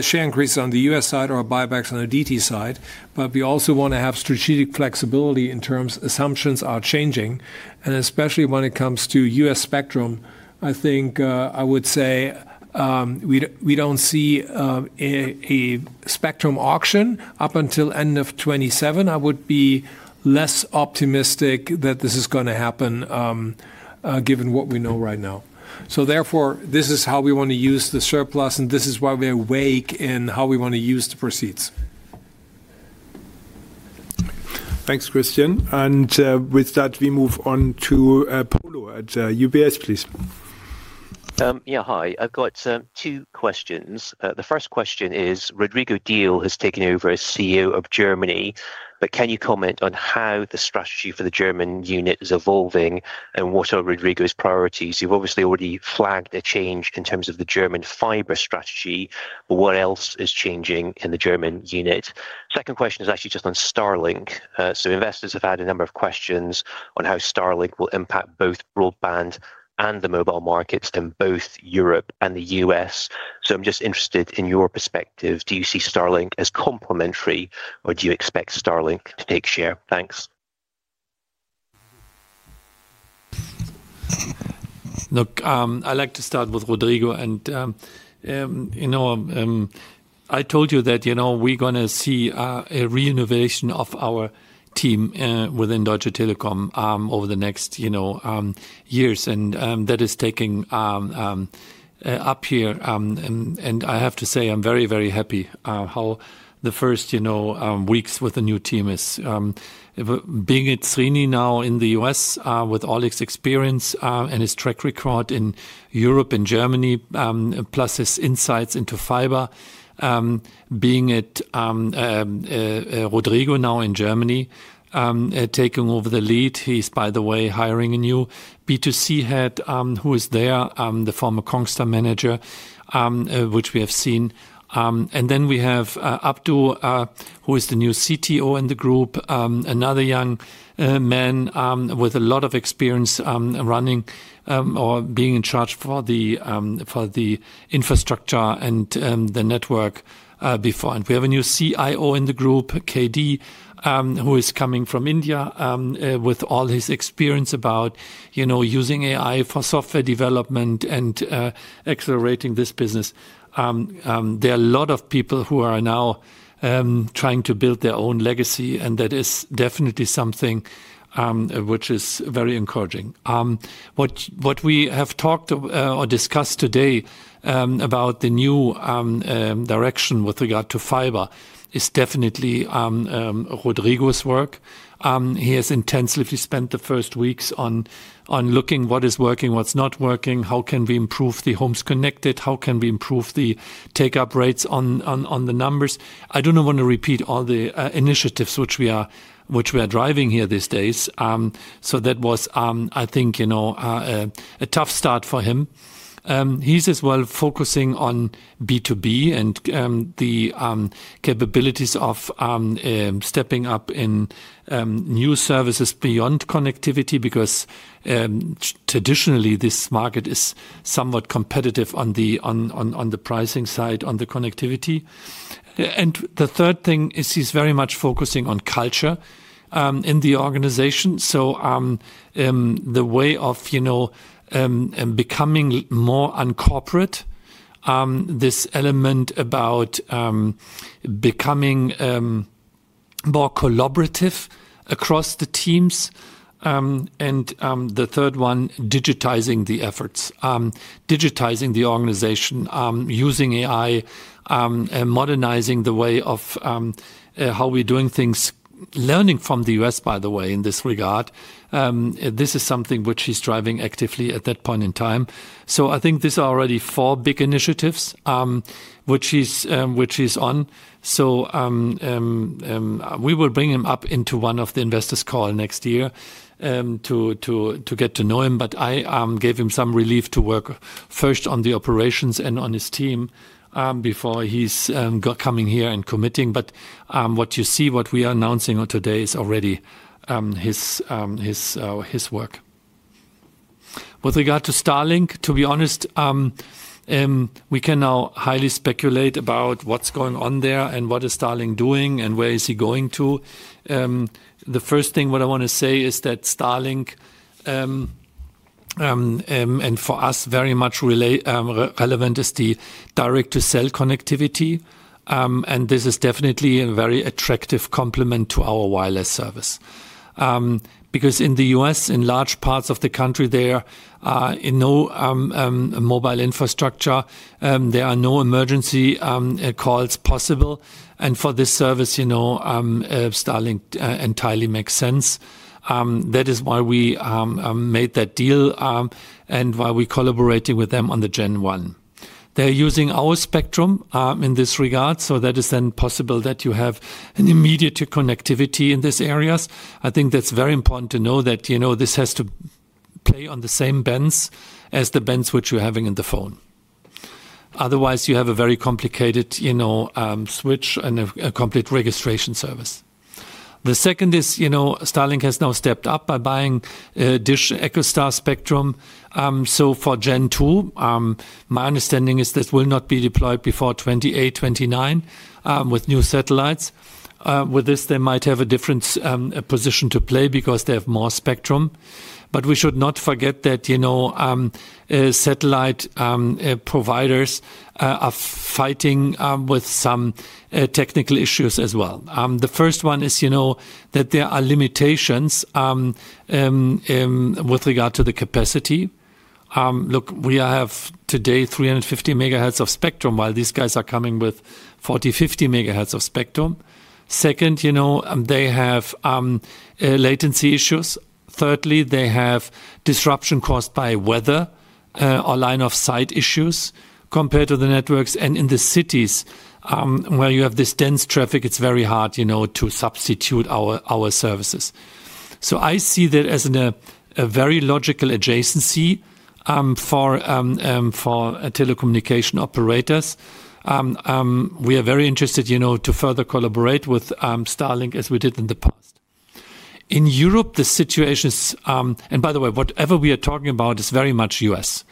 share increases on the U.S. side or buybacks on the DT side. We also want to have strategic flexibility in terms assumptions are changing. Especially when it comes to U.S. spectrum, I think I would say we do not see a spectrum auction up until end of 2027. I would be less optimistic that this is going to happen given what we know right now. Therefore, this is how we want to use the surplus, and this is why we are vague in how we want to use the proceeds. Thanks, Christian. With that, we move on to Polo at UBS, please. Yeah, hi. I've got two questions. The first question is Rodrigo Diehl has taken over as CEO of Germany, but can you comment on how the strategy for the German unit is evolving and what are Rodrigo's priorities? You've obviously already flagged a change in terms of the German fiber strategy. What else is changing in the German unit? The second question is actually just on Starlink. Investors have had a number of questions on how Starlink will impact both broadband and the mobile markets in both Europe and the U.S.. I'm just interested in your perspective. Do you see Starlink as complementary, or do you expect Starlink to take share? Thanks. Look, I'd like to start with Rodrigo. I told you that we're going to see a reinovation of our team within Deutsche Telekom over the next years. That is taking up here. I have to say I'm very, very happy how the first weeks with the new team is being at Srini now in the U.S. with Illek' experience and his track record in Europe and Germany, plus his insights into fiber. Being at Rodrigo now in Germany, taking over the lead. He's, by the way, hiring a new B2C head who is there, the former Congstar manager, which we have seen. We have Abdu, who is the new CTO in the group, another young man with a lot of experience running or being in charge for the infrastructure and the network before. We have a new CIO in the group, K.D, who is coming from India with all his experience about using AI for software development and accelerating this business. There are a lot of people who are now trying to build their own legacy, and that is definitely something which is very encouraging. What we have talked or discussed today about the new direction with regard to fiber is definitely Rodrigo's work. He has intensively spent the first weeks on looking what is working, what's not working, how can we improve the homes connected, how can we improve the take-up rates on the numbers. I do not want to repeat all the initiatives which we are driving here these days. That was, I think, a tough start for him. He is as well focusing on B2B and the capabilities of stepping up in new services beyond connectivity because traditionally this market is somewhat competitive on the pricing side on the connectivity. The third thing is he is very much focusing on culture in the organization. The way of becoming more uncorporate, this element about becoming more collaborative across the teams. The third one, digitizing the efforts, digitizing the organization, using AI, modernizing the way of how we are doing things, learning from the U.S., by the way, in this regard. This is something which he is driving actively at that point in time. I think these are already four big initiatives which he is on. We will bring him up into one of the investors' call next year to get to know him. I gave him some relief to work first on the operations and on his team before he's coming here and committing. What you see, what we are announcing today is already his work. With regard to Starlink, to be honest, we can now highly speculate about what's going on there and what is Starlink doing and where is he going to. The first thing what I want to say is that Starlink, and for us, very much relevant is the direct-to-cell connectivity. This is definitely a very attractive complement to our wireless service. Because in the U.S., in large parts of the country, there are no mobile infrastructure. There are no emergency calls possible. For this service, Starlink entirely makes sense. That is why we made that deal and why we are collaborating with them on the Gen One. They're using our spectrum in this regard. That is then possible that you have an immediate connectivity in these areas. I think that's very important to know that this has to play on the same bands as the bands which you're having in the phone. Otherwise, you have a very complicated switch and a complete registration service. The second is Starlink has now stepped up by buying Dish EchoStar Spectrum. For Gen Two, my understanding is this will not be deployed before 2028, 2029 with new satellites. With this, they might have a different position to play because they have more spectrum. We should not forget that satellite providers are fighting with some technical issues as well. The first one is that there are limitations with regard to the capacity. Look, we have today 350 MHz of spectrum while these guys are coming with 40 MHz-50 MHz of spectrum. Second, they have latency issues. Thirdly, they have disruption caused by weather or line of sight issues compared to the networks. In the cities where you have this dense traffic, it's very hard to substitute our services. I see that as a very logical adjacency for telecommunication operators. We are very interested to further collaborate with Starlink as we did in the past. In Europe, the situation is, and by the way, whatever we are talking about is very much U.S.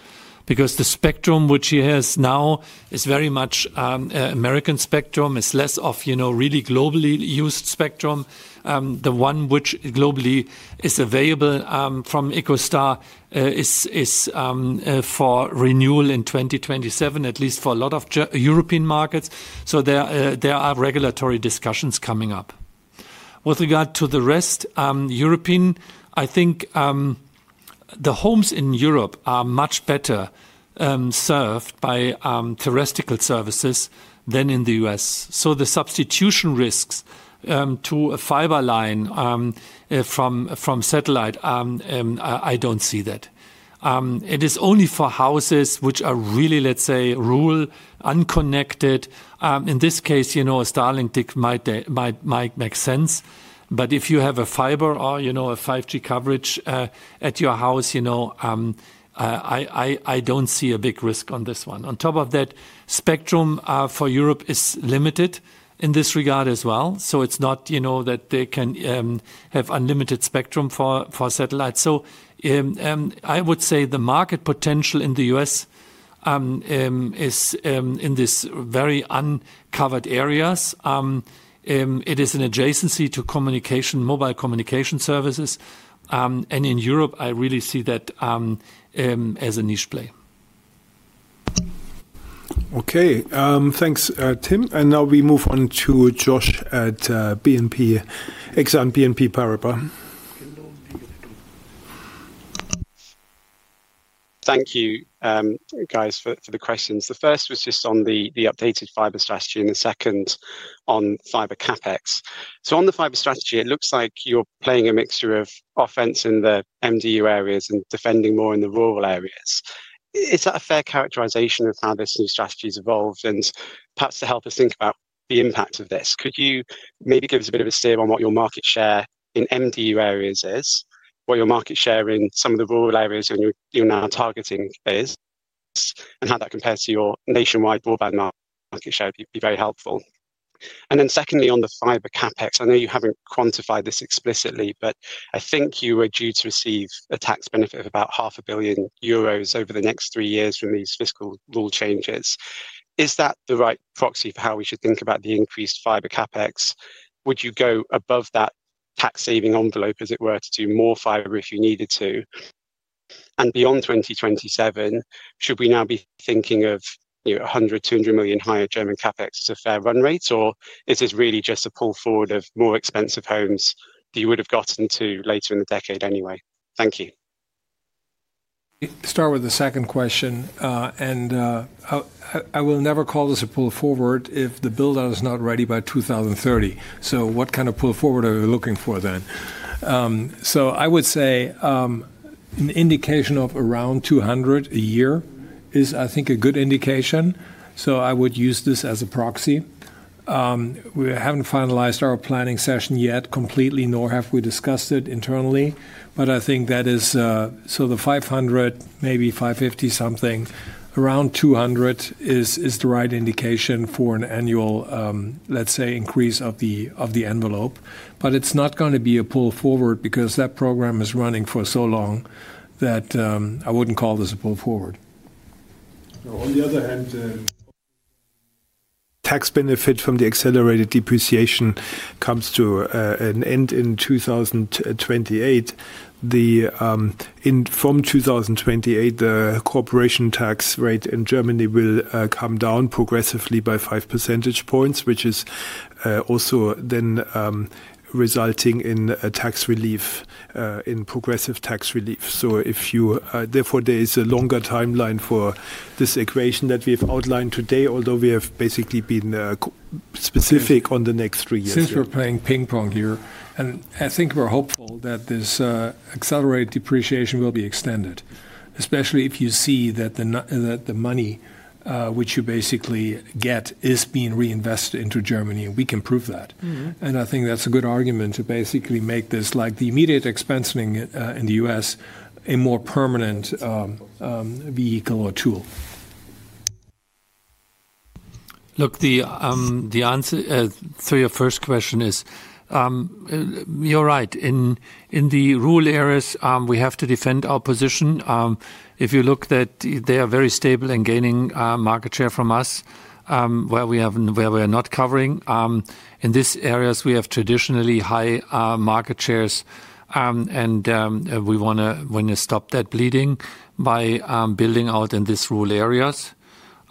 because the spectrum which he has now is very much American spectrum. It's less of really globally used spectrum. The one which globally is available from EchoStar is for renewal in 2027, at least for a lot of European markets. There are regulatory discussions coming up. With regard to the rest, European, I think the homes in Europe are much better served by terrestrial services than in the U.S. The substitution risks to a fiber line from satellite, I do not see that. It is only for houses which are really, let's say, rural, unconnected. In this case, Starlink might make sense. If you have a fiber or a 5G coverage at your house, I do not see a big risk on this one. On top of that, spectrum for Europe is limited in this regard as well. It is not that they can have unlimited spectrum for satellites. I would say the market potential in the U.S. is in these very uncovered areas. It is an adjacency to mobile communication services. In Europe, I really see that as a niche play. Okay. Thanks, Tim. Now we move on to Josh at BNP, Exane BNP Paribas. Thank you, guys, for the questions. The first was just on the updated fiber strategy and the second on fiber CapEx. On the fiber strategy, it looks like you're playing a mixture of offense in the MDU areas and defending more in the rural areas. Is that a fair characterization of how this new strategy has evolved? Perhaps to help us think about the impact of this, could you maybe give us a bit of a steer on what your market share in MDU areas is, what your market share in some of the rural areas you're now targeting is, and how that compares to your nationwide broadband market share would be very helpful. Secondly, on the fiber CapEx, I know you have not quantified this explicitly, but I think you are due to receive a tax benefit of about 500,000,000 euros over the next three years from these fiscal rule changes. Is that the right proxy for how we should think about the increased fiber CapEx? Would you go above that tax-saving envelope, as it were, to do more fiber if you needed to? Beyond 2027, should we now be thinking of 100 million-200 million higher German CapEx as a fair run rate, or is this really just a pull forward of more expensive homes that you would have gotten to later in the decade anyway? Thank you. Start with the second question. I will never call this a pull forward if the build-out is not ready by 2030. What kind of pull forward are we looking for then? I would say an indication of around 200 a year is, I think, a good indication. I would use this as a proxy. We have not finalized our planning session yet completely, nor have we discussed it internally. I think that is, so the 500, maybe 550 something, around 200 is the right indication for an annual, let's say, increase of the envelope. It is not going to be a pull forward because that program is running for so long that I would not call this a pull forward. On the other hand, tax benefit from the accelerated depreciation comes to an end in 2028. From 2028, the corporation tax rate in Germany will come down progressively by 5 percentage points, which is also then resulting in tax relief, in progressive tax relief. Therefore, there is a longer timeline for this equation that we have outlined today, although we have basically been specific on the next three years. Since we're playing ping pong here, I think we're hopeful that this accelerated depreciation will be extended, especially if you see that the money which you basically get is being reinvested into Germany. We can prove that. I think that's a good argument to basically make this like the immediate expensing in the U.S. a more permanent vehicle or tool. Look, the answer to your first question is you're right. In the rural areas, we have to defend our position. If you look, they are very stable and gaining market share from us where we are not covering. In these areas, we have traditionally high market shares. We want to stop that bleeding by building out in these rural areas.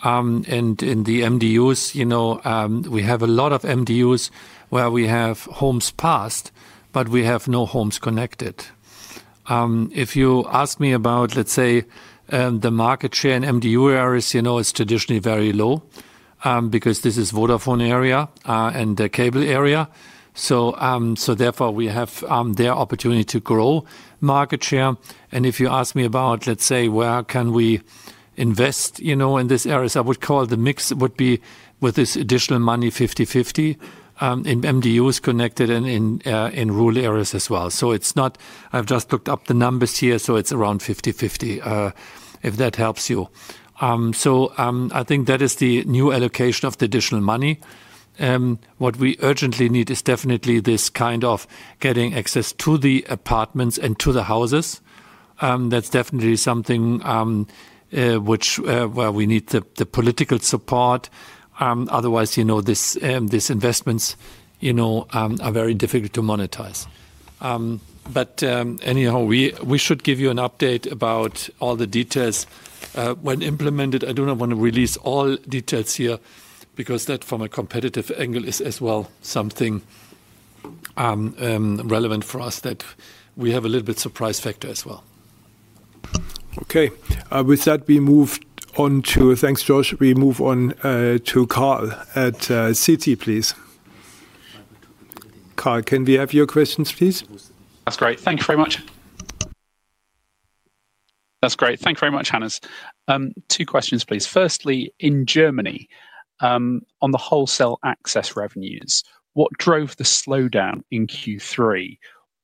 In the MDUs, we have a lot of MDUs where we have homes passed, but we have no homes connected. If you ask me about, let's say, the market share in MDU areas, it's traditionally very low because this is Vodafone area and the cable area. Therefore, we have their opportunity to grow market share. If you ask me about, let's say, where can we invest in these areas, I would call the mix would be with this additional money 50/50 in MDUs connected and in rural areas as well. I've just looked up the numbers here, so it's around 50/50 if that helps you. I think that is the new allocation of the additional money. What we urgently need is definitely this kind of getting access to the apartments and to the houses. That's definitely something where we need the political support. Otherwise, these investments are very difficult to monetize. Anyhow, we should give you an update about all the details when implemented. I do not want to release all details here because that, from a competitive angle, is as well something relevant for us that we have a little bit surprise factor as well. Okay. With that, we move on to thanks, Josh. We move on to Carl at Citi, please. Carl, can we have your questions, please? That's great. Thank you very much. That's great. Thank you very much, Hannes. Two questions, please. Firstly, in Germany, on the wholesale access revenues, what drove the slowdown in Q3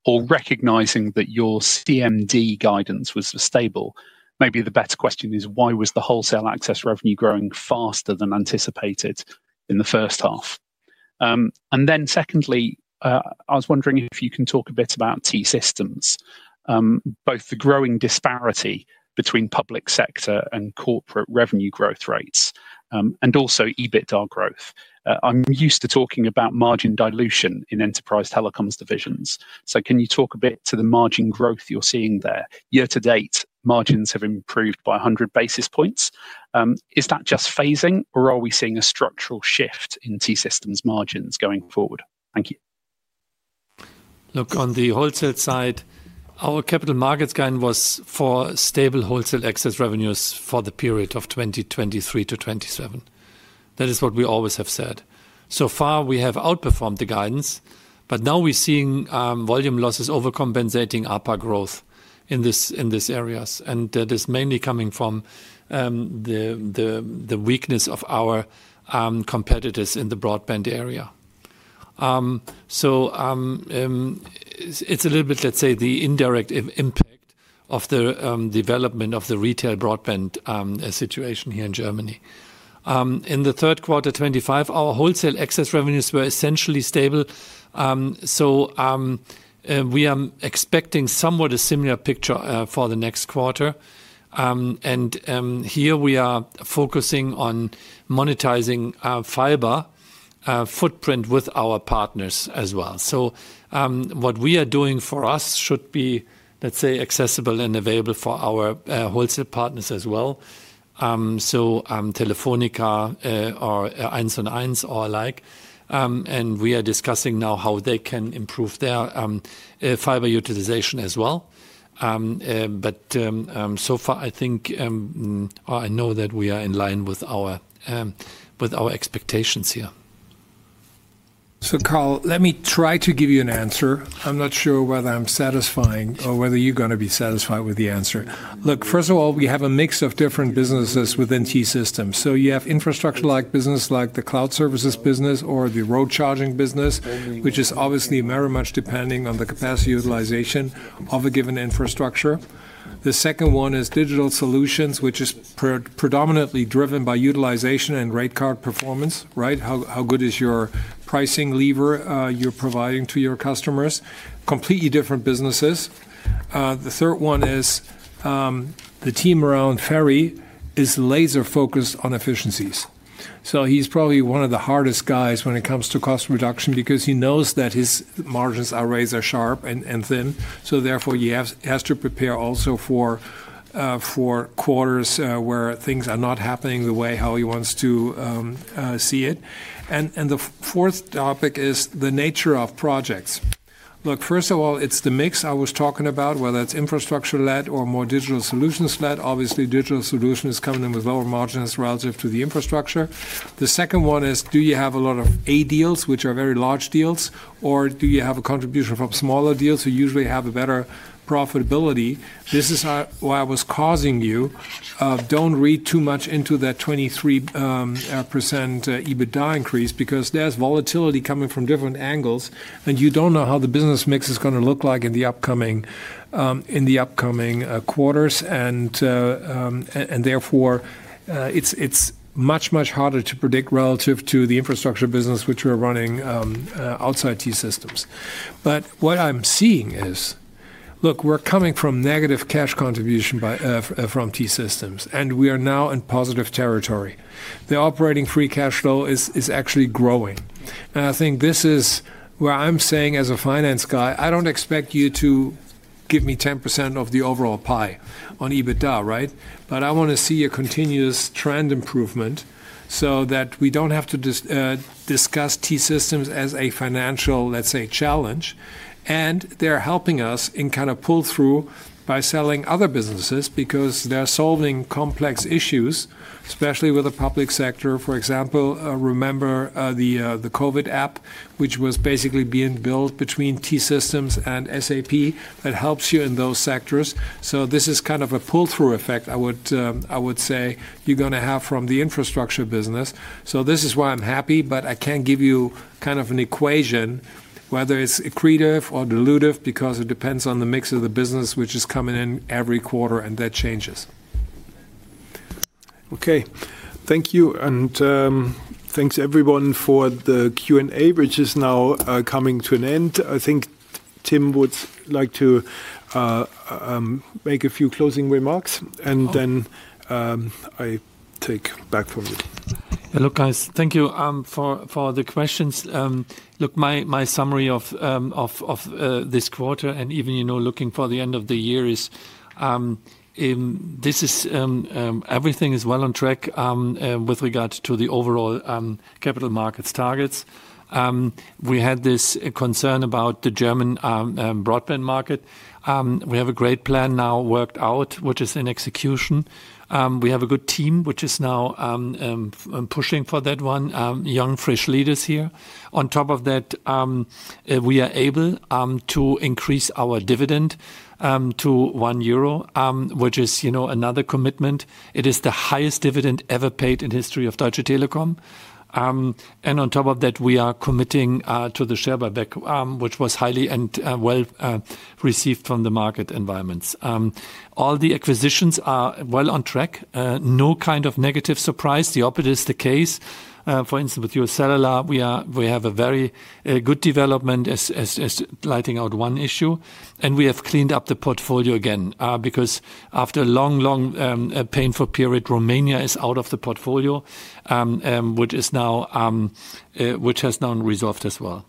or recognizing that your CMD guidance was stable? Maybe the better question is, why was the wholesale access revenue growing faster than anticipated in the first half? Secondly, I was wondering if you can talk a bit about T-Systems, both the growing disparity between public sector and corporate revenue growth rates, and also EBITDA growth. I'm used to talking about margin dilution in enterprise telecoms divisions. Can you talk a bit to the margin growth you're seeing there? Year to date, margins have improved by 100 basis points. Is that just phasing, or are we seeing a structural shift in T-Systems' margins going forward? Thank you. Look, on the wholesale side, our capital markets guidance was for stable wholesale access revenues for the period of 2023 to 2027. That is what we always have said. So far, we have outperformed the guidance, but now we're seeing volume losses overcompensating upper growth in these areas. That is mainly coming from the weakness of our competitors in the broadband area. It's a little bit, let's say, the indirect impact of the development of the retail broadband situation here in Germany. In the third quarter 2025, our wholesale access revenues were essentially stable. We are expecting somewhat a similar picture for the next quarter. Here, we are focusing on monetizing fiber footprint with our partners as well. What we are doing for us should be, let's say, accessible and available for our wholesale partners as well. Telefonica or 1&1 or like. We are discussing now how they can improve their fiber utilization as well. So far, I think, or I know that we are in line with our expectations here. Carl, let me try to give you an answer. I'm not sure whether I'm satisfying or whether you're going to be satisfied with the answer. Look, first of all, we have a mix of different businesses within T-Systems. You have infrastructure-like business, like the cloud services business or the road charging business, which is obviously very much depending on the capacity utilization of a given infrastructure. The second one is digital solutions, which is predominantly driven by utilization and rate card performance, right? How good is your pricing lever you're providing to your customers? Completely different businesses. The third one is the team around Ferry is laser-focused on efficiencies. He is probably one of the hardest guys when it comes to cost reduction because he knows that his margins are razor sharp and thin. Therefore, he has to prepare also for quarters where things are not happening the way how he wants to see it. The fourth topic is the nature of projects. Look, first of all, it's the mix I was talking about, whether it's infrastructure-led or more digital solutions-led. Obviously, digital solutions come in with lower margins relative to the infrastructure. The second one is, do you have a lot of A deals, which are very large deals, or do you have a contribution from smaller deals who usually have a better profitability? This is why I was causing you. Don't read too much into that 23% EBITDA increase because there's volatility coming from different angles, and you don't know how the business mix is going to look like in the upcoming quarters. It is much, much harder to predict relative to the infrastructure business, which we're running outside T-Systems. What I'm seeing is, look, we're coming from negative cash contribution from T-Systems, and we are now in positive territory. The operating free cash flow is actually growing. I think this is where I'm saying, as a finance guy, I don't expect you to give me 10% of the overall pie on EBITDA, right? I want to see a continuous trend improvement so that we don't have to discuss T-Systems as a financial, let's say, challenge. They're helping us in kind of pull through by selling other businesses because they're solving complex issues, especially with the public sector. For example, remember the COVID app, which was basically being built between T-Systems and SAP that helps you in those sectors. This is kind of a pull-through effect, I would say, you're going to have from the infrastructure business. This is why I'm happy, but I can't give you kind of an equation, whether it's accretive or dilutive, because it depends on the mix of the business, which is coming in every quarter, and that changes. Okay. Thank you. Thanks, everyone, for the Q&A, which is now coming to an end. I think Tim would like to make a few closing remarks, and then I take back from you. Look, guys, thank you for the questions. Look, my summary of this quarter and even looking for the end of the year is this is everything is well on track with regard to the overall capital markets targets. We had this concern about the German broadband market. We have a great plan now worked out, which is in execution. We have a good team, which is now pushing for that one, young, fresh leaders here. On top of that, we are able to increase our dividend to 1 euro, which is another commitment. It is the highest dividend ever paid in the history of Deutsche Telekom. On top of that, we are committing to the share buyback, which was highly and well received from the market environments. All the acquisitions are well on track. No kind of negative surprise. The opposite is the case. For instance, with U.S. Cellular, we have a very good development as lighting out one issue. We have cleaned up the portfolio again because after a long, long painful period, Romania is out of the portfolio, which has now resolved as well.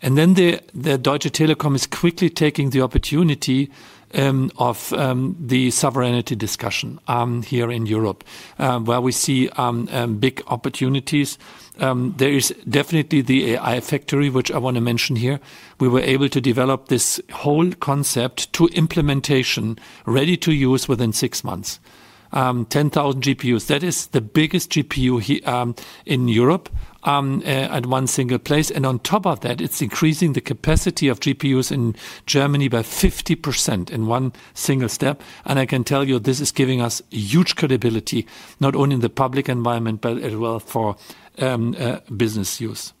Deutsche Telekom is quickly taking the opportunity of the sovereignty discussion here in Europe, where we see big opportunities. There is definitely the AI factory, which I want to mention here. We were able to develop this whole concept to implementation, ready to use within six months. 10,000 GPUs. That is the biggest GPU in Europe at one single place. On top of that, it is increasing the capacity of GPUs in Germany by 50% in one single step. I can tell you this is giving us huge credibility, not only in the public environment, but as well for business use.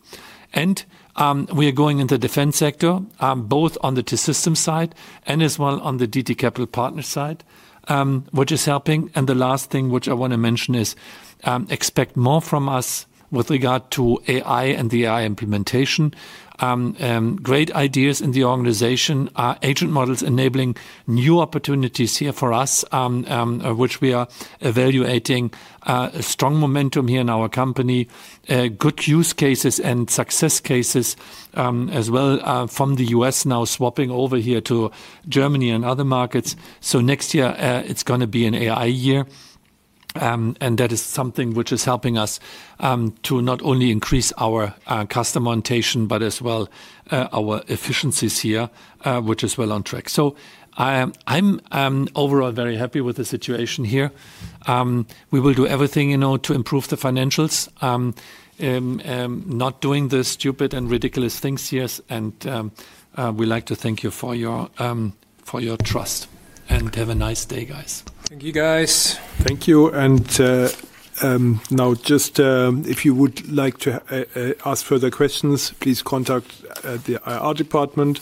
We are going into the defense sector, both on the T-Systems side and as well on the DTCP side, which is helping. The last thing which I want to mention is expect more from us with regard to AI and the AI implementation. Great ideas in the organization, agent models enabling new opportunities here for us, which we are evaluating. Strong momentum here in our company, good use cases and success cases as well from the U.S. now swapping over here to Germany and other markets. Next year, it's going to be an AI year. That is something which is helping us to not only increase our customer orientation, but as well our efficiencies here, which is well on track. I'm overall very happy with the situation here. We will do everything to improve the financials, not doing the stupid and ridiculous things here. We'd like to thank you for your trust and have a nice day, guys. Thank you, guys. Thank you. If you would like to ask further questions, please contact the IR department.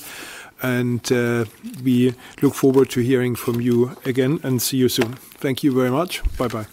We look forward to hearing from you again and see you soon. Thank you very much. Bye-bye.